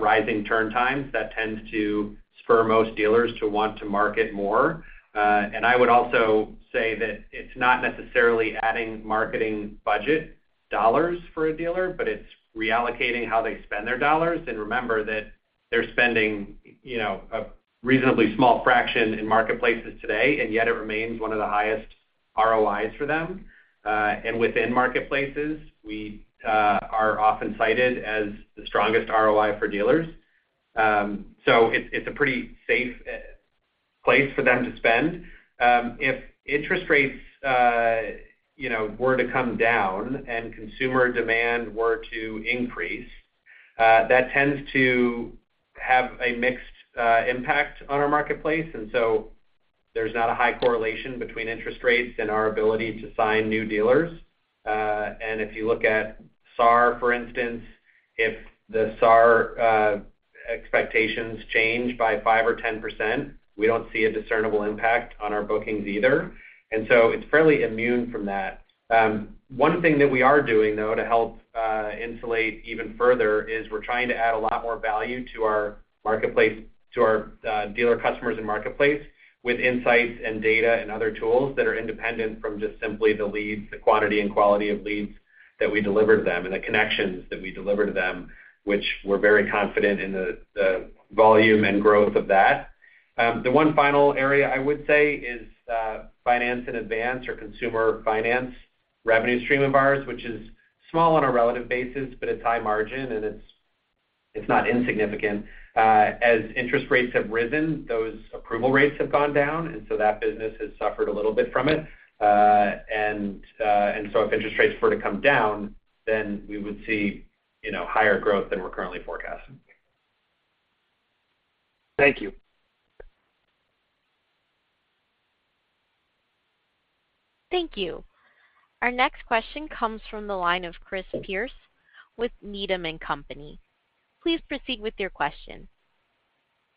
rising turn times. That tends to spur most dealers to want to market more. And I would also say that it's not necessarily adding marketing budget dollars for a dealer, but it's reallocating how they spend their dollars. And remember that they're spending a reasonably small fraction in marketplaces today, and yet it remains one of the highest ROIs for them. And within marketplaces, we are often cited as the strongest ROI for dealers. So it's a pretty safe place for them to spend. If interest rates were to come down and consumer demand were to increase, that tends to have a mixed impact on our marketplace. So there's not a high correlation between interest rates and our ability to sign new dealers. If you look at SAR, for instance, if the SAR expectations change by 5% or 10%, we don't see a discernible impact on our bookings either. So it's fairly immune from that. One thing that we are doing, though, to help insulate even further is we're trying to add a lot more value to our marketplace to our dealer customers in marketplace with insights and data and other tools that are independent from just simply the leads, the quantity and quality of leads that we deliver to them, and the connections that we deliver to them, which we're very confident in the volume and growth of that. The one final area I would say is finance in advance or consumer finance revenue stream of ours, which is small on a relative basis, but it's high margin, and it's not insignificant. As interest rates have risen, those approval rates have gone down. And so that business has suffered a little bit from it. And so if interest rates were to come down, then we would see higher growth than we're currently forecasting. Thank you. Thank you. Our next question comes from the line of Chris Pierce with Needham & Company. Please proceed with your question.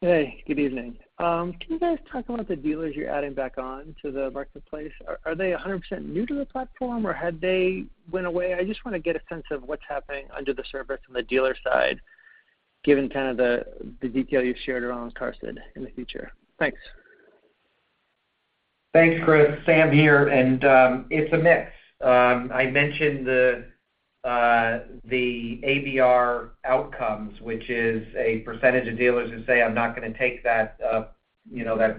Hey. Good evening. Can you guys talk about the dealers you're adding back on to the marketplace? Are they 100% new to the platform, or had they went away? I just want to get a sense of what's happening under the surface on the dealer side given kind of the detail you shared around QARSD in the future. Thanks. Thanks, Chris. Sam here. It's a mix. I mentioned the ABR outcomes, which is a percentage of dealers who say, "I'm not going to take that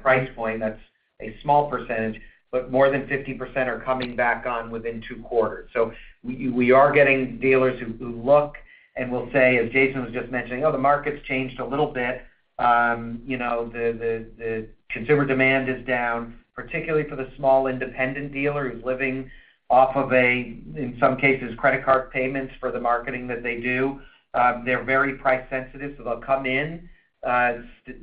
price point. That's a small percentage." But more than 50% are coming back on within two quarters. So we are getting dealers who look and will say, as Jason was just mentioning, "Oh, the market's changed a little bit. The consumer demand is down," particularly for the small independent dealer who's living off of, in some cases, credit card payments for the marketing that they do. They're very price-sensitive. So they'll come in,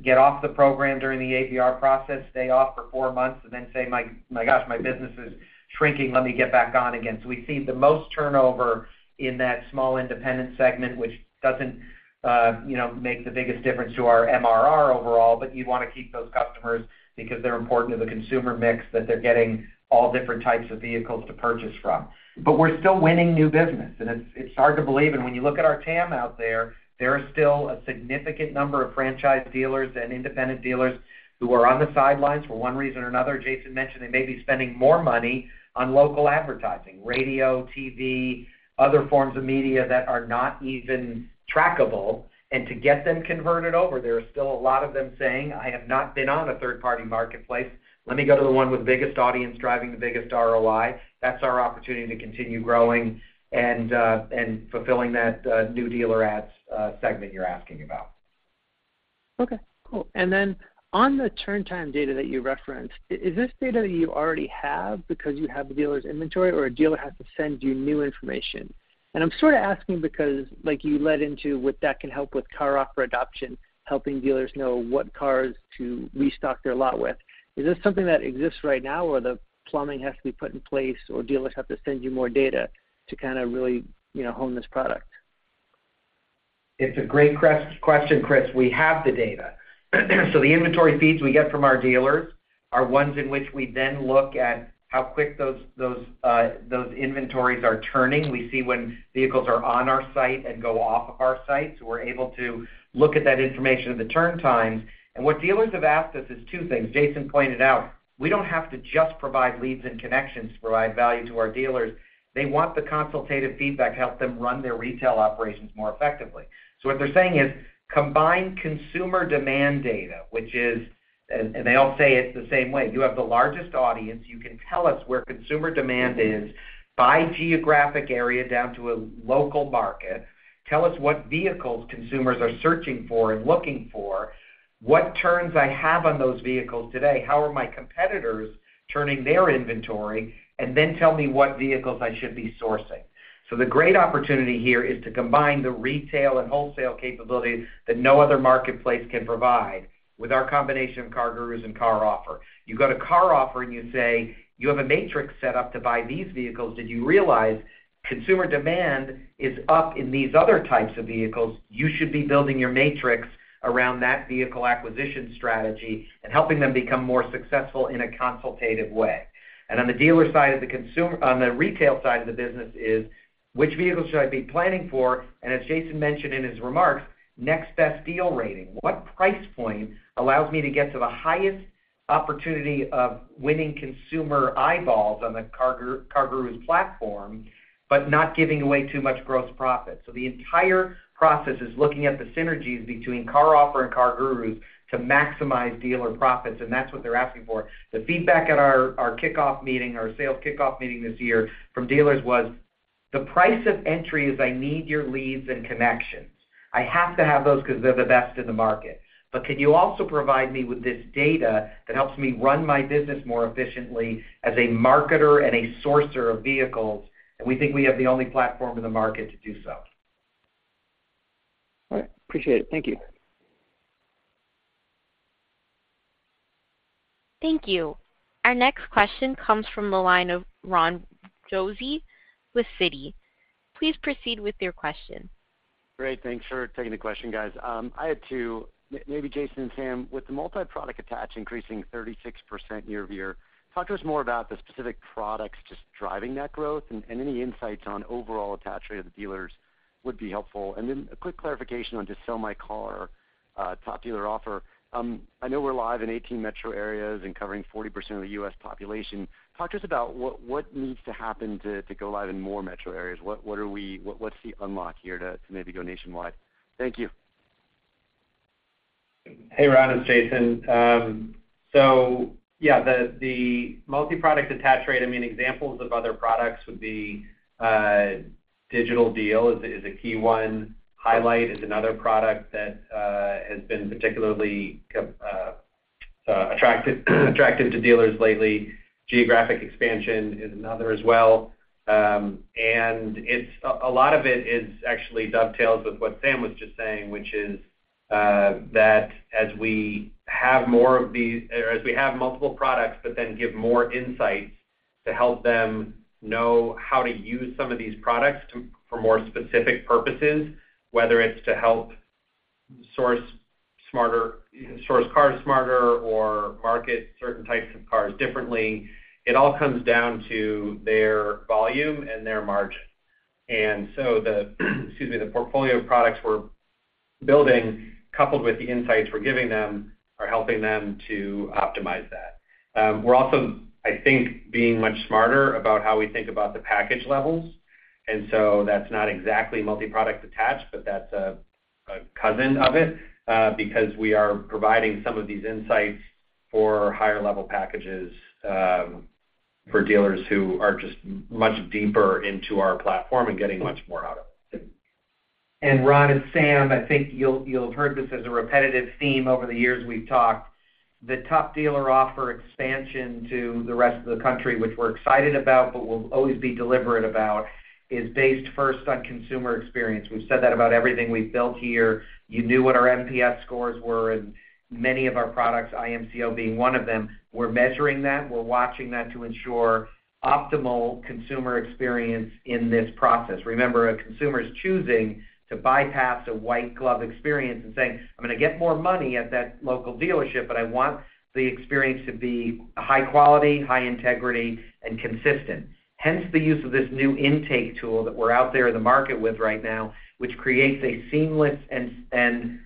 get off the program during the ABR process, stay off for four months, and then say, "My gosh, my business is shrinking. Let me get back on again." So we see the most turnover in that small independent segment, which doesn't make the biggest difference to our MRR overall, but you want to keep those customers because they're important to the consumer mix that they're getting all different types of vehicles to purchase from. But we're still winning new business. And it's hard to believe. And when you look at our TAM out there, there are still a significant number of franchise dealers and independent dealers who are on the sidelines for one reason or another. Jason mentioned they may be spending more money on local advertising, radio, TV, other forms of media that are not even trackable. And to get them converted over, there are still a lot of them saying, "I have not been on a third-party marketplace. Let me go to the one with biggest audience driving the biggest ROI. That's our opportunity to continue growing and fulfilling that new dealer ads segment you're asking about. Okay. Cool. And then on the turntime data that you referenced, is this data that you already have because you have the dealer's inventory, or a dealer has to send you new information? And I'm sort of asking because you led into what that can help with CarOffer adoption, helping dealers know what cars to restock their lot with. Is this something that exists right now, or the plumbing has to be put in place, or dealers have to send you more data to kind of really hone this product? It's a great question, Chris. We have the data. So the inventory feeds we get from our dealers are ones in which we then look at how quick those inventories are turning. We see when vehicles are on our site and go off of our site. So we're able to look at that information of the turn times. And what dealers have asked us is two things. Jason pointed out, "We don't have to just provide leads and connections to provide value to our dealers. They want the consultative feedback to help them run their retail operations more effectively." So what they're saying is combine consumer demand data, which is and they all say it the same way. You have the largest audience. You can tell us where consumer demand is by geographic area down to a local market. Tell us what vehicles consumers are searching for and looking for. What turns I have on those vehicles today? How are my competitors turning their inventory? And then tell me what vehicles I should be sourcing. So the great opportunity here is to combine the retail and wholesale capability that no other marketplace can provide with our combination of CarGurus and CarOffer. You go to CarOffer, and you say, "You have a matrix set up to buy these vehicles. Did you realize consumer demand is up in these other types of vehicles? You should be building your matrix around that vehicle acquisition strategy and helping them become more successful in a consultative way." And on the dealer side of the consumer on the retail side of the business is, "Which vehicles should I be planning for?" And as Jason mentioned in his remarks, Next Best Deal Rating. What price point allows me to get to the highest opportunity of winning consumer eyeballs on the CarGurus platform but not giving away too much gross profit? So the entire process is looking at the synergies between CarOffer and CarGurus to maximize dealer profits. And that's what they're asking for. The feedback at our kickoff meeting, our sales kickoff meeting this year from dealers was, "The price of entry is I need your leads and connections. I have to have those because they're the best in the market. But can you also provide me with this data that helps me run my business more efficiently as a marketer and a sourcer of vehicles? And we think we have the only platform in the market to do so. All right. Appreciate it. Thank you. Thank you. Our next question comes from the line of Ron Josey with Citi. Please proceed with your question. Great. Thanks for taking the question, guys. I had two. Maybe Jason and Sam, with the multi-product attach increasing 36% year-over-year, talk to us more about the specific products just driving that growth, and any insights on overall attach rate of the dealers would be helpful. And then a quick clarification on just Sell My Car, Top Dealer Offer. I know we're live in 18 metro areas and covering 40% of the US population. Talk to us about what needs to happen to go live in more metro areas. What's the unlock here to maybe go nationwide? Thank you. Hey, Ron. It's Jason. So yeah, the multi-product attach rate. I mean, examples of other products would be Digital Deal is a key one. Highlight is another product that has been particularly attractive to dealers lately. Geographic expansion is another as well. And a lot of it actually dovetails with what Sam was just saying, which is that as we have more of these or as we have multiple products but then give more insights to help them know how to use some of these products for more specific purposes, whether it's to help source cars smarter or market certain types of cars differently, it all comes down to their volume and their margin. And so the, excuse me, the portfolio of products we're building, coupled with the insights we're giving them, are helping them to optimize that. We're also, I think, being much smarter about how we think about the package levels. And so that's not exactly multi-product attached, but that's a cousin of it because we are providing some of these insights for higher-level packages for dealers who are just much deeper into our platform and getting much more out of it. And Ron and Sam, I think you'll have heard this as a repetitive theme over the years we've talked. The Top Dealer Offer expansion to the rest of the country, which we're excited about but we'll always be deliberate about, is based first on consumer experience. We've said that about everything we've built here. You knew what our NPS scores were. And many of our products, IMCO being one of them, we're measuring that. We're watching that to ensure optimal consumer experience in this process. Remember, a consumer is choosing to bypass a white-glove experience and saying, "I'm going to get more money at that local dealership, but I want the experience to be high quality, high integrity, and consistent." Hence the use of this new intake tool that we're out there in the market with right now, which creates a seamless and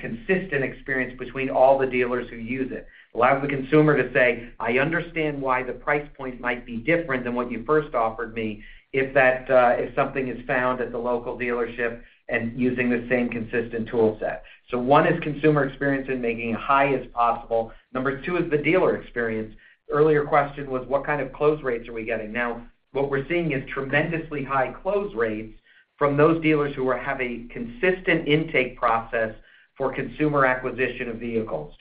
consistent experience between all the dealers who use it. It allows the consumer to say, "I understand why the price point might be different than what you first offered me if something is found at the local dealership and using the same consistent toolset." So one is consumer experience and making it high as possible. Number two is the dealer experience. The earlier question was, "What kind of close rates are we getting?" Now, what we're seeing is tremendously high close rates from those dealers who have a consistent intake process for consumer acquisition of vehicles.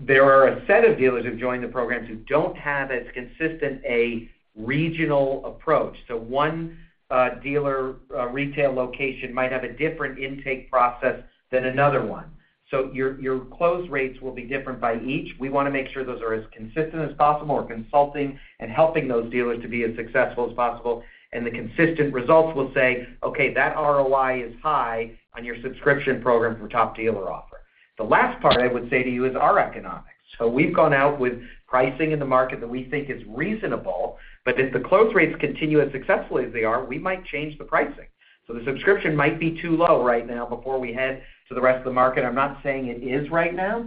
There are a set of dealers who've joined the programs who don't have as consistent a regional approach. So one retail location might have a different intake process than another one. So your close rates will be different by each. We want to make sure those are as consistent as possible. We're consulting and helping those dealers to be as successful as possible. And the consistent results will say, "Okay. That ROI is high on your subscription program for Top Dealer Offers." The last part I would say to you is our economics. So we've gone out with pricing in the market that we think is reasonable. But if the close rates continue as successfully as they are, we might change the pricing. So the subscription might be too low right now before we head to the rest of the market. I'm not saying it is right now.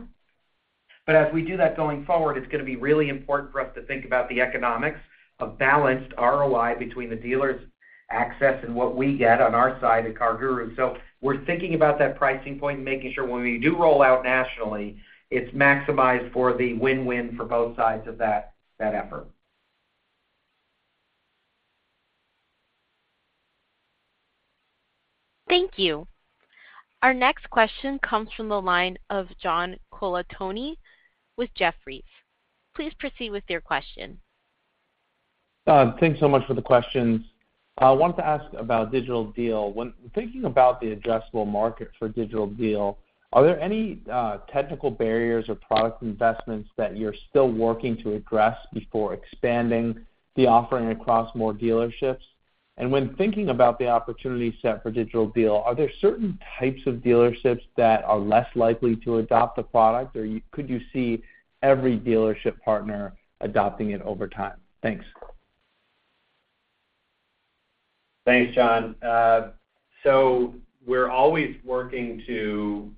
But as we do that going forward, it's going to be really important for us to think about the economics of balanced ROI between the dealer's access and what we get on our side at CarGurus. So we're thinking about that pricing point and making sure when we do roll out nationally, it's maximized for the win-win for both sides of that effort. Thank you. Our next question comes from the line of John Colantuoni with Jefferies. Please proceed with your question. Thanks so much for the questions. I wanted to ask about Digital Deal. When thinking about the addressable market for Digital Deal, are there any technical barriers or product investments that you're still working to address before expanding the offering across more dealerships? And when thinking about the opportunity set for Digital Deal, are there certain types of dealerships that are less likely to adopt the product, or could you see every dealership partner adopting it over time? Thanks. Thanks, John. So we're always working to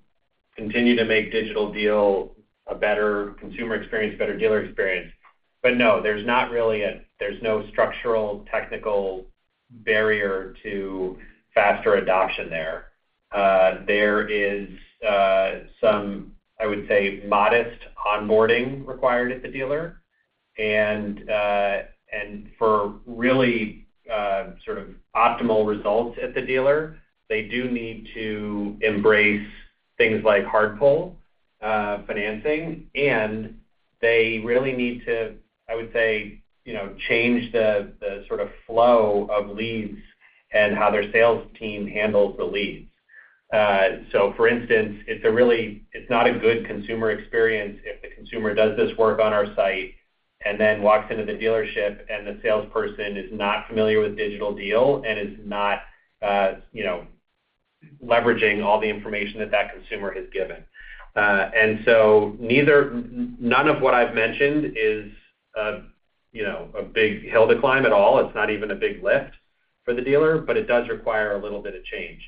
continue to make Digital Deal a better consumer experience, better dealer experience. But no, there's not really a no structural technical barrier to faster adoption there. There is some, I would say, modest onboarding required at the dealer. And for really sort of optimal results at the dealer, they do need to embrace things like hard pull financing. And they really need to, I would say, change the sort of flow of leads and how their sales team handles the leads. So for instance, it's really not a good consumer experience if the consumer does this work on our site and then walks into the dealership, and the salesperson is not familiar with Digital Deal and is not leveraging all the information that that consumer has given. And so none of what I've mentioned is a big hill to climb at all. It's not even a big lift for the dealer, but it does require a little bit of change.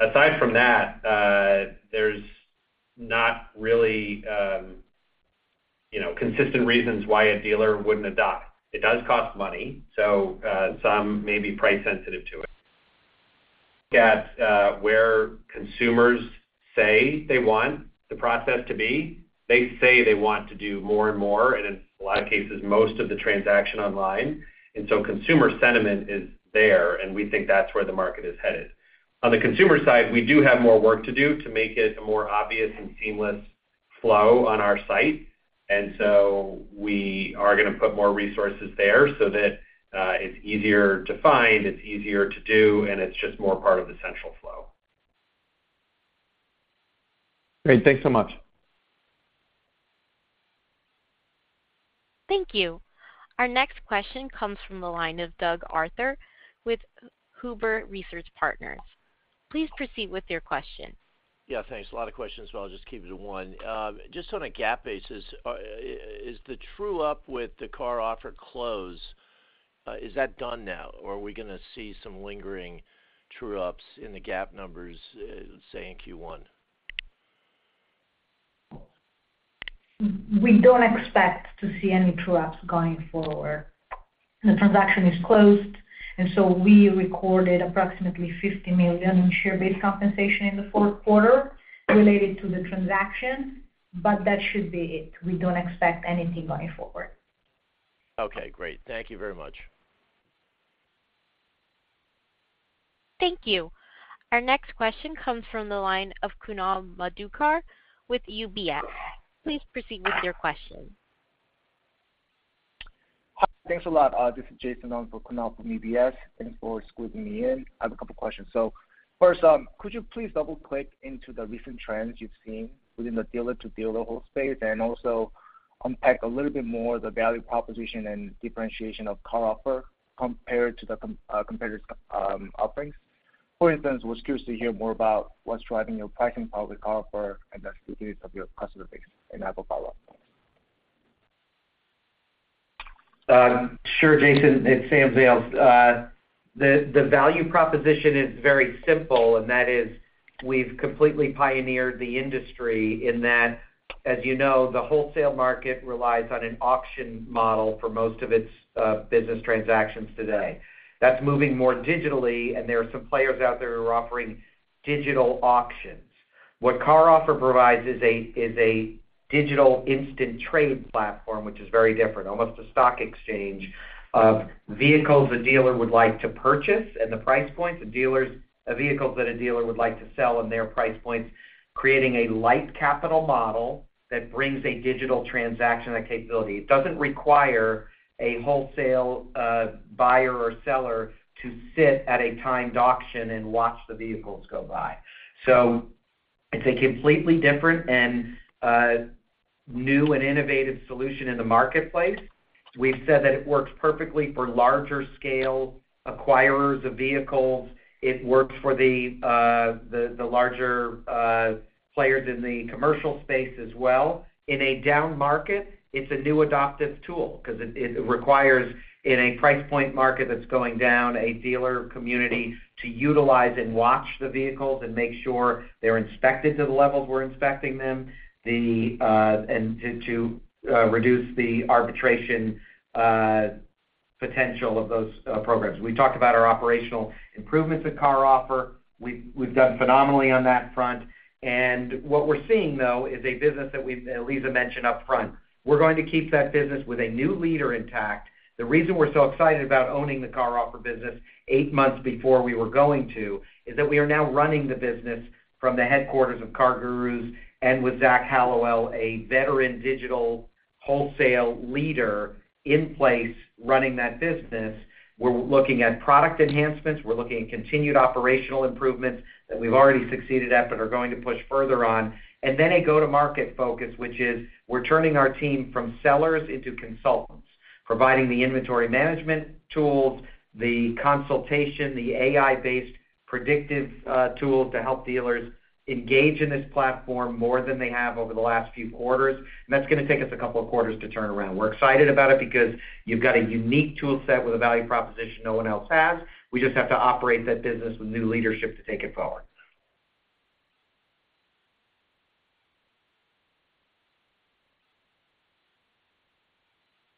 Aside from that, there's not really consistent reasons why a dealer wouldn't adopt. It does cost money, so some may be price-sensitive to it. Look at where consumers say they want the process to be. They say they want to do more and more. And in a lot of cases, most of the transaction online. And so consumer sentiment is there, and we think that's where the market is headed. On the consumer side, we do have more work to do to make it a more obvious and seamless flow on our site. And so we are going to put more resources there so that it's easier to find, it's easier to do, and it's just more part of the central flow. Great. Thanks so much. Thank you. Our next question comes from the line of Doug Arthur with Huber Research Partners. Please proceed with your question. Yeah. Thanks. A lot of questions as well. I'll just keep it to one. Just on a GAAP basis, is the true-up with the CarOffer closed? Is that done now, or are we going to see some lingering true ups in the GAAP numbers, say, in Q1? We don't expect to see any true-ups going forward. The transaction is closed, and so we recorded approximately $50 million in share-based compensation in the fourth quarter related to the transaction. But that should be it. We don't expect anything going forward. Okay. Great. Thank you very much. Thank you. Our next question comes from the line of Kunal Madhukar with UBS. Please proceed with your question. Hi. Thanks a lot. This is Jason for Kunal from UBS. Thanks for squeezing me in. I have a couple of questions. So first, could you please double-click into the recent trends you've seen within the dealer-to-dealer wholesale space and also unpack a little bit more the value proposition and differentiation of CarOffer compared to the competitors' offerings? For instance, we're curious to hear more about what's driving your pricing policy CarOffer and the stability of your customer base. And I will follow up. Sure, Jason. It's Sam Zales. The value proposition is very simple, and that is we've completely pioneered the industry in that, as you know, the wholesale market relies on an auction model for most of its business transactions today. That's moving more digitally, and there are some players out there who are offering digital auctions. What CarOffer provides is a digital instant trade platform, which is very different, almost a stock exchange of vehicles a dealer would like to purchase and the price points of vehicles that a dealer would like to sell and their price points, creating a light capital model that brings a digital transaction capability. It doesn't require a wholesale buyer or seller to sit at a timed auction and watch the vehicles go by. So it's a completely different and new and innovative solution in the marketplace. We've said that it works perfectly for larger-scale acquirers of vehicles. It works for the larger players in the commercial space as well. In a down market, it's a new adoptive tool because it requires, in a price point market that's going down, a dealer community to utilize and watch the vehicles and make sure they're inspected to the levels we're inspecting them and to reduce the arbitration potential of those programs. We've talked about our operational improvements at CarOffer. We've done phenomenally on that front. And what we're seeing, though, is a business that Elisa mentioned upfront. We're going to keep that business with a new leader intact. The reason we're so excited about owning the CarOffer business eight months before we were going to is that we are now running the business from the headquarters of CarGurus and with Zach Hallowell, a veteran digital wholesale leader in place running that business. We're looking at product enhancements. We're looking at continued operational improvements that we've already succeeded at but are going to push further on. And then a go-to-market focus, which is we're turning our team from sellers into consultants, providing the inventory management tools, the consultation, the AI-based predictive tools to help dealers engage in this platform more than they have over the last few quarters. And that's going to take us a couple of quarters to turn around. We're excited about it because you've got a unique toolset with a value proposition no one else has. We just have to operate that business with new leadership to take it forward.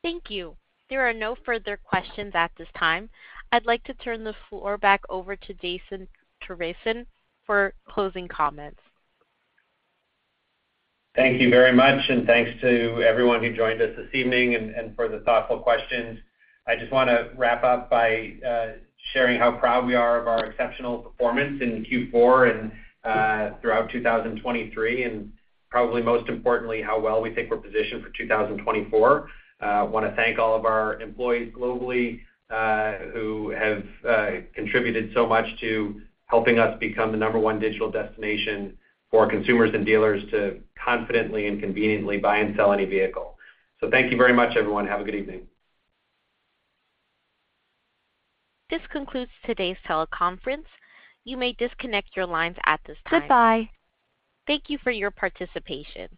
Thank you. There are no further questions at this time. I'd like to turn the floor back over to Jason Trevisan for closing comments. Thank you very much. Thanks to everyone who joined us this evening and for the thoughtful questions. I just want to wrap up by sharing how proud we are of our exceptional performance in Q4 and throughout 2023 and, probably most importantly, how well we think we're positioned for 2024. I want to thank all of our employees globally who have contributed so much to helping us become the number one digital destination for consumers and dealers to confidently and conveniently buy and sell any vehicle. So thank you very much, everyone. Have a good evening. This concludes today's teleconference. You may disconnect your lines at this time. Goodbye. Thank you for your participation.